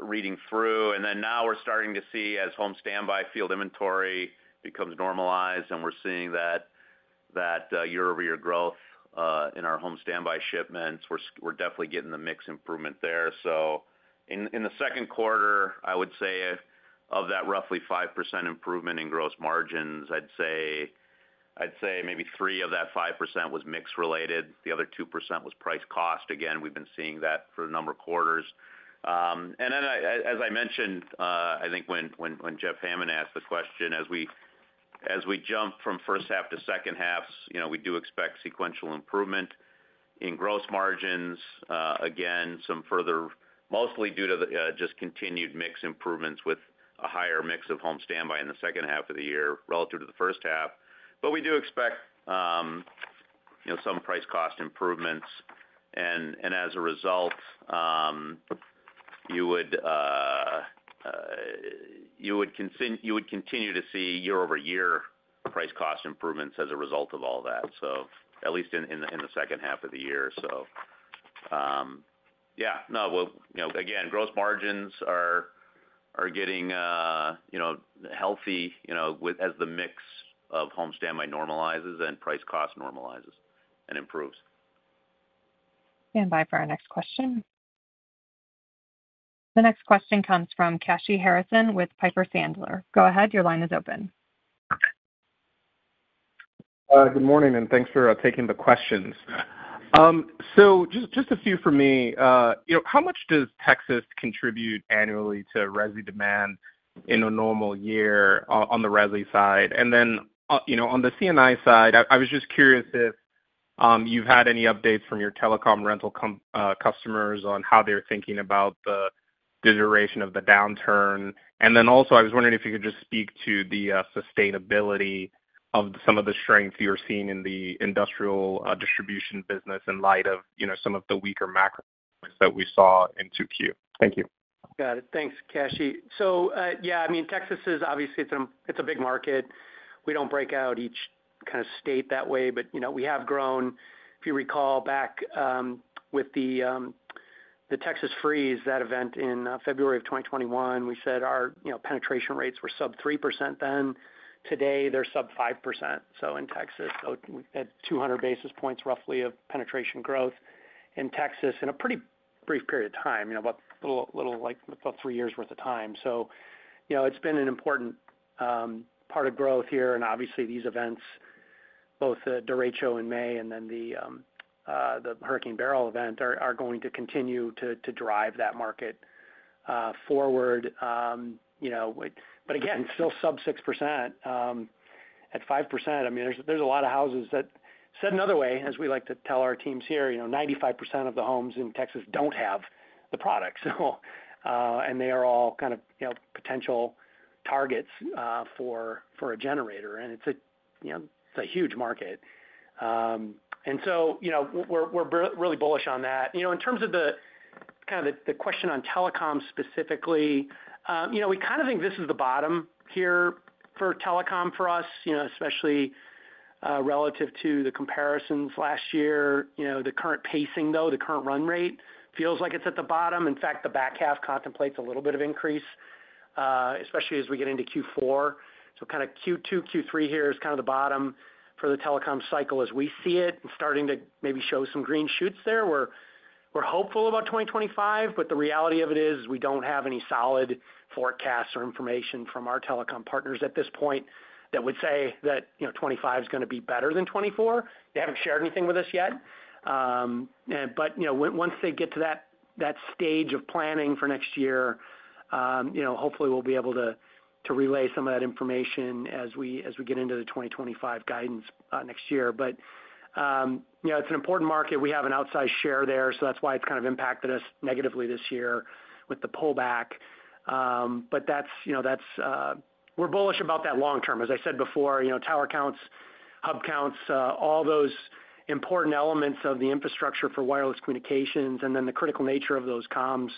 reading through. And then now we're starting to see, as home standby field inventory becomes normalized, and we're seeing that year-over-year growth in our home standby shipments. We're we're definitely getting the mix improvement there. So in the second quarter, I would say of that, roughly 5% improvement in gross margins, I'd say, I'd say maybe 3% of that 5% was mix related. The other 2% was price cost. Again, we've been seeing that for a number of quarters. And then I, as I mentioned, I think when Jeff Hammond asked the question, as we-... As we jump from first half to second half, you know, we do expect sequential improvement in gross margins, again, some further, mostly due to the just continued mix improvements with a higher mix of home standby in the second half of the year relative to the first half. But we do expect, you know, some price cost improvements. And as a result, you would, you would continue to see year-over-year price cost improvements as a result of all that. So at least in the second half of the year. So, yeah. No, well, you know, again, gross margins are getting, you know, healthy, you know, as the mix of home standby normalizes and price cost normalizes and improves. Standby for our next question. The next question comes from Kashy Harrison with Piper Sandler. Go ahead, your line is open. Good morning, and thanks for taking the questions. So just a few for me. You know, how much does Texas contribute annually to resi demand in a normal year on the resi side? And then, you know, on the C&I side, I was just curious if you've had any updates from your telecom rental customers on how they're thinking about the duration of the downturn. And then also, I was wondering if you could just speak to the sustainability of some of the strength you're seeing in the industrial distribution business in light of some of the weaker macro that we saw in 2Q. Thank you. Got it. Thanks, Kashy. So, yeah, I mean, Texas is obviously, it's a, it's a big market. We don't break out each kind of state that way, but, you know, we have grown. If you recall back, with the, the Texas Freeze, that event in, February of 2021, we said our, you know, penetration rates were sub 3% then. Today, they're sub 5%, so in Texas, so we've had 200 basis points roughly of penetration growth in Texas in a pretty brief period of time, you know, about little, little like about 3 years worth of time. So, you know, it's been an important, part of growth here, and obviously, these events, both the derecho in May and then the, the Hurricane Beryl event, are, are going to continue to, to drive that market, forward. You know, but again, still sub-6%, at 5%, I mean, there's a lot of houses that. Said another way, as we like to tell our teams here, you know, 95% of the homes in Texas don't have the product, so, and they are all kind of, you know, potential targets, for a generator. And it's a, you know, it's a huge market. And so, you know, we're really bullish on that. You know, in terms of the kind of the question on telecom specifically, you know, we kind of think this is the bottom here for telecom for us, you know, especially, relative to the comparisons last year. You know, the current pacing, though, the current run rate, feels like it's at the bottom. In fact, the back half contemplates a little bit of increase, especially as we get into Q4. So kind of Q2, Q3 here is kind of the bottom for the telecom cycle as we see it, and starting to maybe show some green shoots there. We're hopeful about 2025, but the reality of it is, we don't have any solid forecasts or information from our telecom partners at this point that would say that, you know, 2025 is gonna be better than 2024. They haven't shared anything with us yet. But, you know, once they get to that stage of planning for next year, you know, hopefully we'll be able to relay some of that information as we get into the 2025 guidance, next year. But, you know, it's an important market. We have an outsized share there, so that's why it's kind of impacted us negatively this year with the pullback. But that's, you know, that's... We're bullish about that long term. As I said before, you know, tower counts, hub counts, all those important elements of the infrastructure for wireless communications, and then the critical nature of those comms,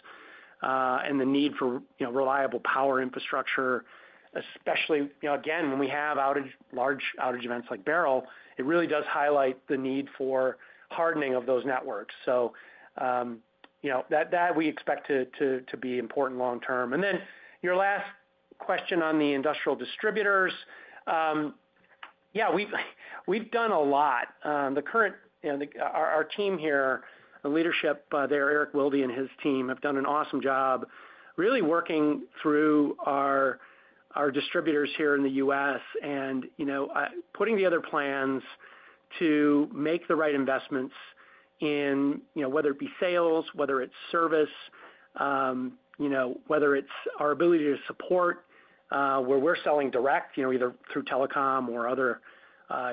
and the need for, you know, reliable power infrastructure, especially, you know, again, when we have outage, large outage events like Beryl, it really does highlight the need for hardening of those networks. So, you know, that, that we expect to, to, to be important long term. And then your last question on the industrial distributors. Yeah, we've, we've done a lot. The current, you know, our team here, the leadership, there, Erik Wilde and his team, have done an awesome job really working through our distributors here in the U.S. And, you know, putting the other plans to make the right investments in, you know, whether it be sales, whether it's service, you know, whether it's our ability to support, where we're selling direct, you know, either through telecom or other,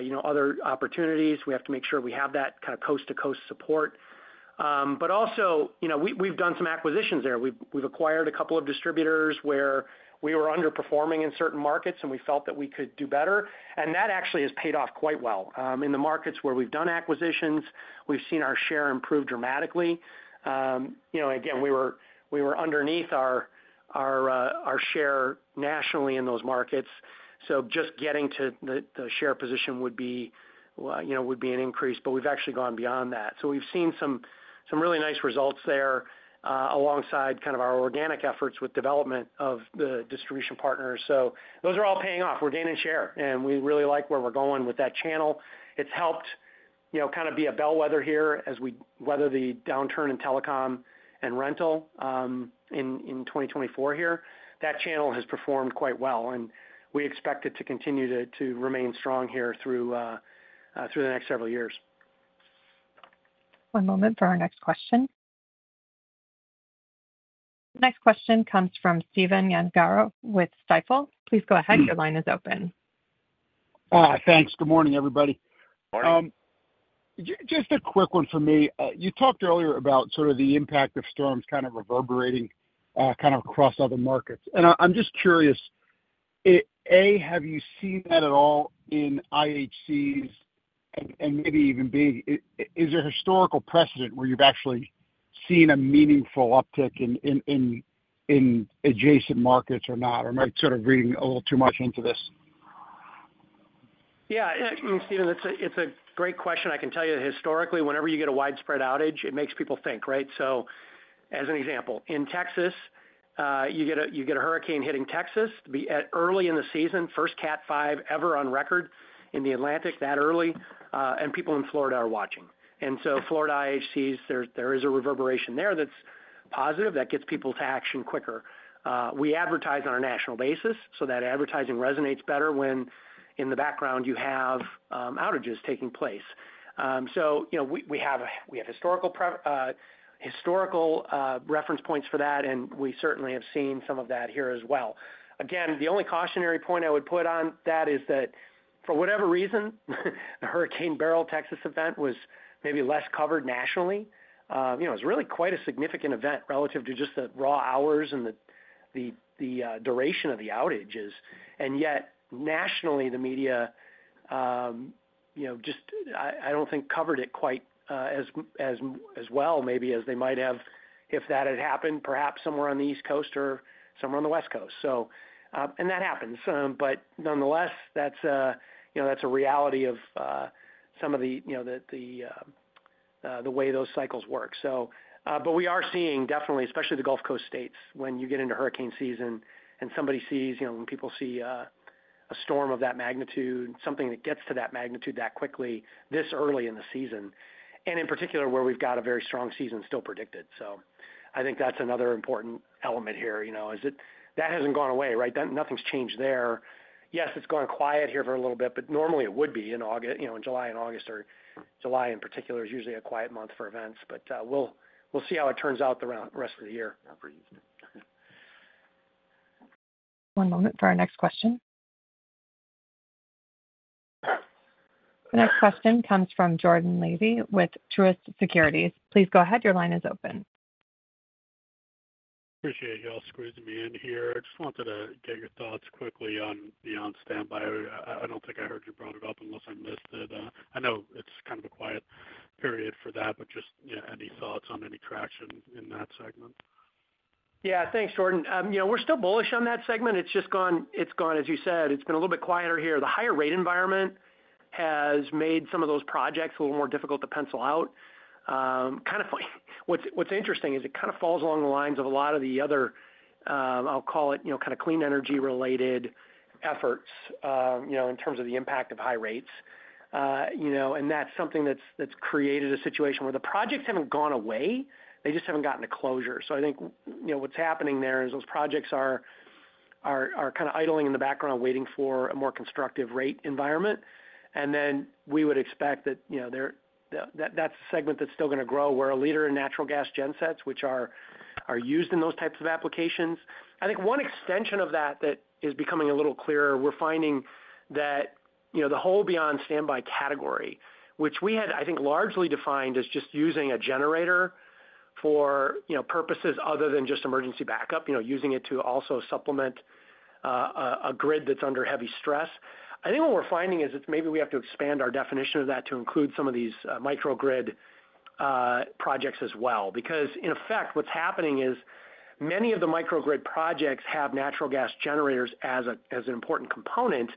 you know, other opportunities. We have to make sure we have that kind of coast-to-coast support. But also, you know, we, we've done some acquisitions there. We've acquired a couple of distributors where we were underperforming in certain markets, and we felt that we could do better, and that actually has paid off quite well. In the markets where we've done acquisitions, we've seen our share improve dramatically. You know, again, we were underneath our share nationally in those markets, so just getting to the share position would be, you know, would be an increase. But we've actually gone beyond that. So we've seen some really nice results there, alongside kind of our organic efforts with development of the distribution partners. So those are all paying off. We're gaining share, and we really like where we're going with that channel. It's helped, you know, kind of be a bellwether here as we weather the downturn in telecom and rental in 2024 here. That channel has performed quite well, and we expect it to continue to remain strong here through the next several years. One moment for our next question. Next question comes from Stephen Gengaro with Stifel. Please go ahead. Your line is open. Thanks. Good morning, everybody. Morning. Just a quick one for me. You talked earlier about sort of the impact of storms kind of reverberating kind of across other markets. And I'm just curious, A, have you seen that at all in IHCs? And maybe even B, is there historical precedent where you've actually seen a meaningful uptick in adjacent markets or not? Or am I sort of reading a little too much into this? Yeah, Stephen, it's a great question. I can tell you historically, whenever you get a widespread outage, it makes people think, right? So as an example, in Texas, you get a hurricane hitting Texas at early in the season, first Cat 5 ever on record in the Atlantic that early, and people in Florida are watching. And so Florida IHCs, there is a reverberation there that's positive, that gets people to action quicker. We advertise on a national basis, so that advertising resonates better when, in the background you have, outages taking place. So you know, we have historical reference points for that, and we certainly have seen some of that here as well. Again, the only cautionary point I would put on that is that for whatever reason, the Hurricane Beryl Texas event was maybe less covered nationally. You know, it's really quite a significant event relative to just the raw hours and the duration of the outages. And yet nationally, the media, you know, just, I don't think covered it quite as well, maybe as they might have if that had happened, perhaps somewhere on the East Coast or somewhere on the West Coast. So, and that happens, but nonetheless, that's a, you know, that's a reality of some of the, you know, the way those cycles work. So, but we are seeing definitely, especially the Gulf Coast states, when you get into hurricane season and somebody sees, you know, when people see, a storm of that magnitude, something that gets to that magnitude that quickly, this early in the season, and in particular, where we've got a very strong season still predicted. So I think that's another important element here, you know. That hasn't gone away, right? Then nothing's changed there. Yes, it's gone quiet here for a little bit, but normally it would be in July and August, you know, or July in particular, is usually a quiet month for events. But we'll see how it turns out the rest of the year. One moment for our next question. The next question comes from Jordan Levy with Truist Securities. Please go ahead. Your line is open. Appreciate you all squeezing me in here. I just wanted to get your thoughts quickly on beyond standby. I don't think I heard you bring it up unless I missed it. I know it's kind of a quiet period for that, but just, yeah, any thoughts on any traction in that segment? Yeah. Thanks, Jordan. You know, we're still bullish on that segment. It's just gone, it's gone, as you said, it's been a little bit quieter here. The higher rate environment has made some of those projects a little more difficult to pencil out. Kind of what's interesting is it kind of falls along the lines of a lot of the other, I'll call it, you know, kind of clean energy-related efforts, you know, in terms of the impact of high rates. You know, and that's something that's created a situation where the projects haven't gone away, they just haven't gotten a closure. So I think, you know, what's happening there is those projects are kind of idling in the background, waiting for a more constructive rate environment. And then we would expect that, you know, that segment that's still gonna grow. We're a leader in natural gas gen sets, which are used in those types of applications. I think one extension of that that is becoming a little clearer, we're finding that, you know, the whole beyond standby category, which we had, I think, largely defined as just using a generator for, you know, purposes other than just emergency backup, you know, using it to also supplement a grid that's under heavy stress. I think what we're finding is it's maybe we have to expand our definition of that to include some of these microgrid projects as well. Because in effect, what's happening is many of the microgrid projects have natural gas generators as an important component,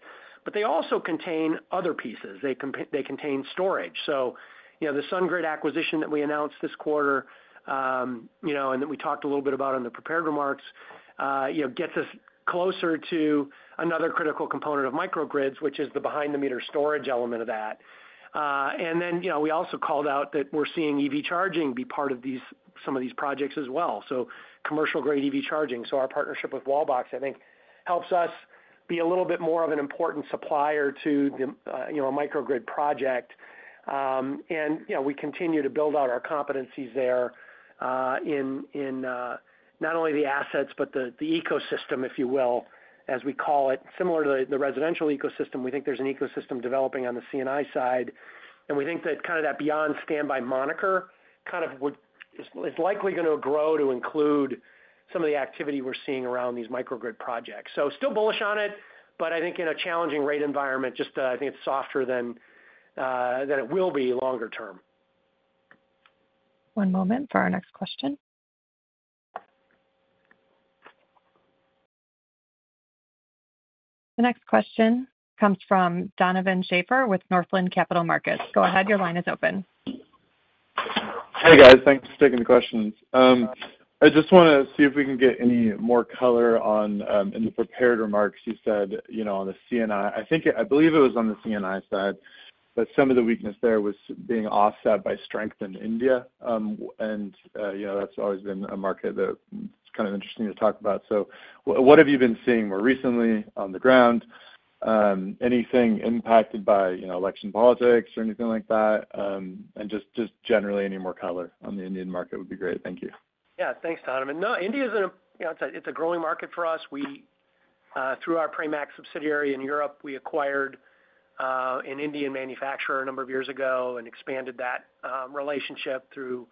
but they also contain other pieces. They contain storage. So you know, the SunGrid acquisition that we announced this quarter, you know, and that we talked a little bit about in the prepared remarks, you know, gets us closer to another critical component of microgrids, which is the behind-the-meter storage element of that. And then, you know, we also called out that we're seeing EV charging be part of some of these projects as well. So commercial grade EV charging. So our partnership with Wallbox, I think, helps us be a little bit more of an important supplier to the, you know, a microgrid project. And, you know, we continue to build out our competencies there in not only the assets but the ecosystem, if you will, as we call it, similar to the residential ecosystem. We think there's an ecosystem developing on the C&I side, and we think that kind of that beyond standby moniker, kind of is, is likely gonna grow to include some of the activity we're seeing around these microgrid projects. So still bullish on it, but I think in a challenging rate environment, just, I think it's softer than, than it will be longer term. One moment for our next question. The next question comes from Donovan Schafer with Northland Capital Markets. Go ahead, your line is open. Hey, guys. Thanks for taking the questions. I just wanna see if we can get any more color on, in the prepared remarks, you said, you know, on the C&I. I think, I believe it was on the C&I side, that some of the weakness there was being offset by strength in India. And, you know, that's always been a market that it's kind of interesting to talk about. So what have you been seeing more recently on the ground? Anything impacted by, you know, election politics or anything like that? And just generally, any more color on the Indian market would be great. Thank you. Yeah, thanks, Donovan. No, India's a, you know, it's a growing market for us. We, through our Pramac subsidiary in Europe, we acquired, an Indian manufacturer a number of years ago and expanded that, relationship through,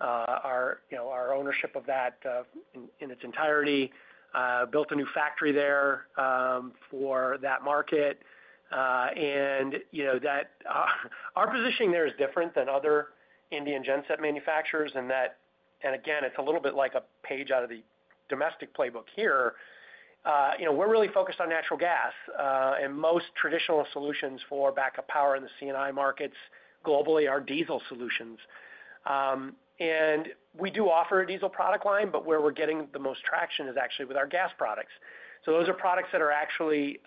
our, you know, our ownership of that, in its entirety. Built a new factory there, for that market. And, you know, that, our positioning there is different than other Indian genset manufacturers in that... And again, it's a little bit like a page out of the domestic playbook here. You know, we're really focused on natural gas, and most traditional solutions for backup power in the C&I markets globally are diesel solutions. And we do offer a diesel product line, but where we're getting the most traction is actually with our gas products. So those are products that are actually,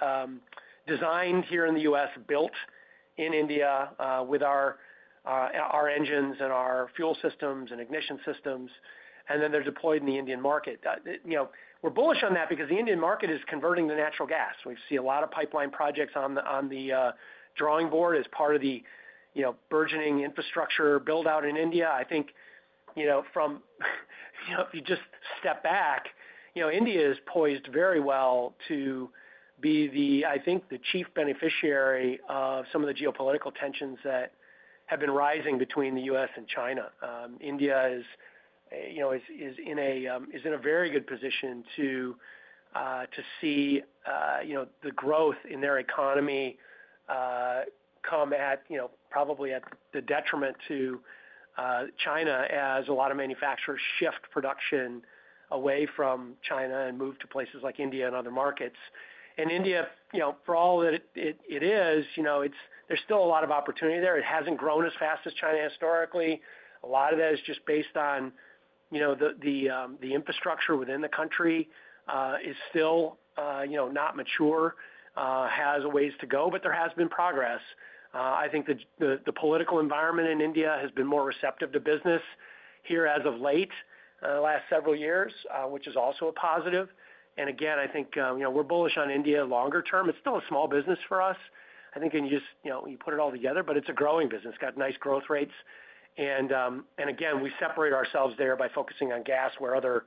designed here in the U.S., built in India, with our engines and our fuel systems and ignition systems, and then they're deployed in the Indian market. You know, we're bullish on that because the Indian market is converting to natural gas. We see a lot of pipeline projects on the drawing board as part of the, you know, burgeoning infrastructure build-out in India. I think, you know, from, you know, if you just step back, you know, India is poised very well to be the, I think, the chief beneficiary of some of the geopolitical tensions that have been rising between the U.S. and China. India is, you know, in a very good position to see, you know, the growth in their economy come at, you know, probably at the detriment to China as a lot of manufacturers shift production away from China and move to places like India and other markets. And India, you know, for all that it is, you know, it's, there's still a lot of opportunity there. It hasn't grown as fast as China historically. A lot of that is just based on, you know, the infrastructure within the country is still, you know, not mature, has a ways to go, but there has been progress. I think the political environment in India has been more receptive to business here as of late, the last several years, which is also a positive. And again, I think, you know, we're bullish on India longer term. It's still a small business for us, I think, and you just, you know, you put it all together, but it's a growing business. It's got nice growth rates. And again, we separate ourselves there by focusing on gas, where other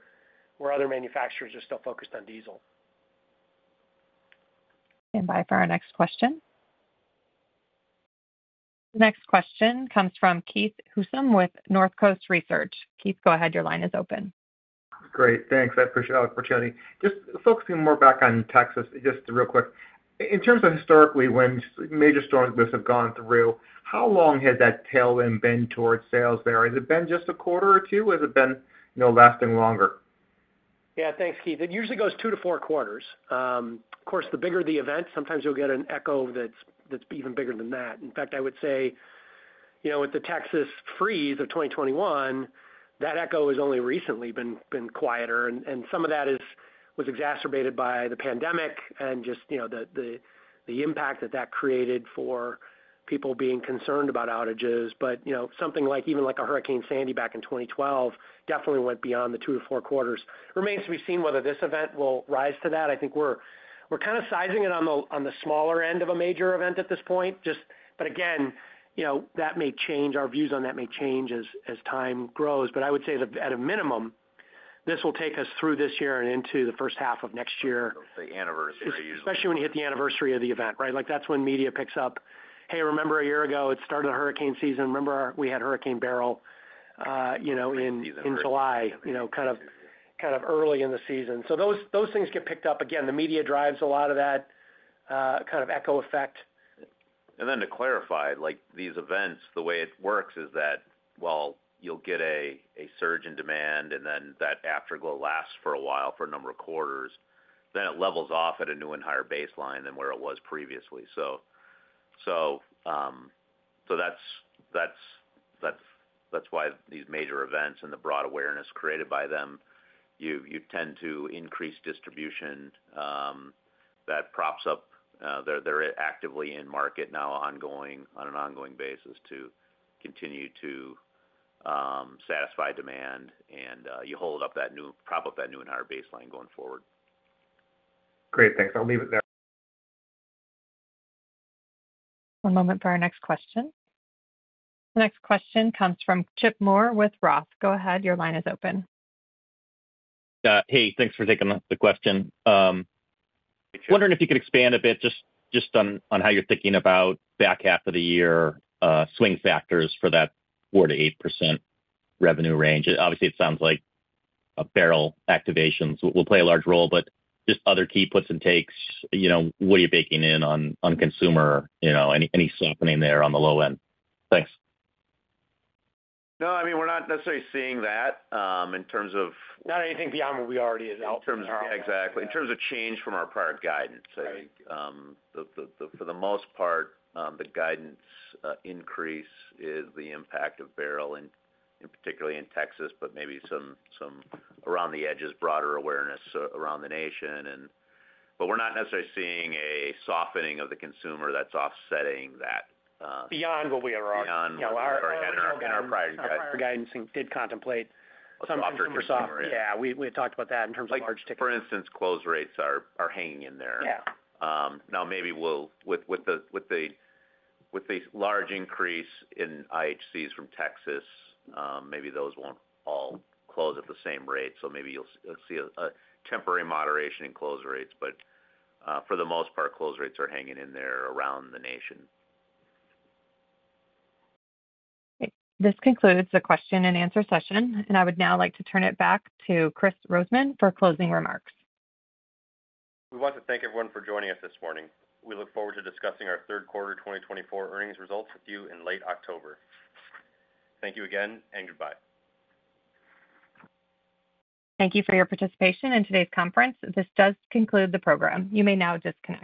manufacturers are still focused on diesel. by for our next question. Next question comes from Keith Housum with North Coast Research. Keith, go ahead. Your line is open. Great, thanks. I appreciate the opportunity. Just focusing more back on Texas, just real quick. In terms of historically, when major storms have gone through, how long has that tailwind been towards sales there? Has it been just a quarter or two? Has it been, you know, lasting longer? Yeah. Thanks, Keith. It usually goes two to four quarters. Of course, the bigger the event, sometimes you'll get an echo that's even bigger than that. In fact, I would say, you know, with the Texas Freeze of 2021, that echo has only recently been quieter, and some of that was exacerbated by the pandemic and just, you know, the impact that that created for people being concerned about outages. But, you know, something like, even like a Hurricane Sandy back in 2012, definitely went beyond the two to four quarters. Remains to be seen whether this event will rise to that. I think we're kind of sizing it on the smaller end of a major event at this point, just. But again, you know, that may change, our views on that may change as time grows. I would say that at a minimum, this will take us through this year and into the first half of next year. The anniversary, usually. Especially when you hit the anniversary of the event, right? Like, that's when media picks up: "Hey, remember a year ago, it started a hurricane season. Remember, we had Hurricane Beryl, you know, in July," you know, kind of early in the season. So those things get picked up. Again, the media drives a lot of that, kind of echo effect. And then to clarify, like, these events, the way it works is that, while you'll get a surge in demand, and then that afterglow lasts for a while, for a number of quarters, then it levels off at a new and higher baseline than where it was previously. So that's why these major events and the broad awareness created by them, you tend to increase distribution, that props up, they're actively in market now, on an ongoing basis to continue to satisfy demand, and you hold up that new prop up that new and higher baseline going forward. Great, thanks. I'll leave it there. One moment for our next question. The next question comes from Chip Moore with Roth. Go ahead, your line is open. Hey, thanks for taking the question. I'm wondering if you could expand a bit, just on how you're thinking about back half of the year, swing factors for that 4%-8% revenue range. Obviously, it sounds like Beryl activations will play a large role, but just other key puts and takes, you know, what are you baking in on consumer? You know, any softening there on the low end? Thanks. No, I mean, we're not necessarily seeing that, in terms of- Not anything beyond what we already had out. In terms of... Exactly. In terms of change from our prior guidance. Right. For the most part, the guidance increase is the impact of Beryl particularly in Texas, but maybe some around the edges, broader awareness around the nation. But we're not necessarily seeing a softening of the consumer that's offsetting that. Beyond what we are- Beyond what we are- Our, our- And our prior guidance. Our guidance did contemplate some consumer soft- Yeah, we had talked about that in terms of large ticket. Like, for instance, close rates are hanging in there. Yeah. Now, maybe we'll... With the large increase in IHCs from Texas, maybe those won't all close at the same rate, so maybe you'll see a temporary moderation in close rates. But, for the most part, close rates are hanging in there around the nation. This concludes the question and answer session, and I would now like to turn it back to Kris Rosemann for closing remarks. We want to thank everyone for joining us this morning. We look forward to discussing our third quarter 2024 earnings results with you in late October. Thank you again, and goodbye. Thank you for your participation in today's conference. This does conclude the program. You may now disconnect.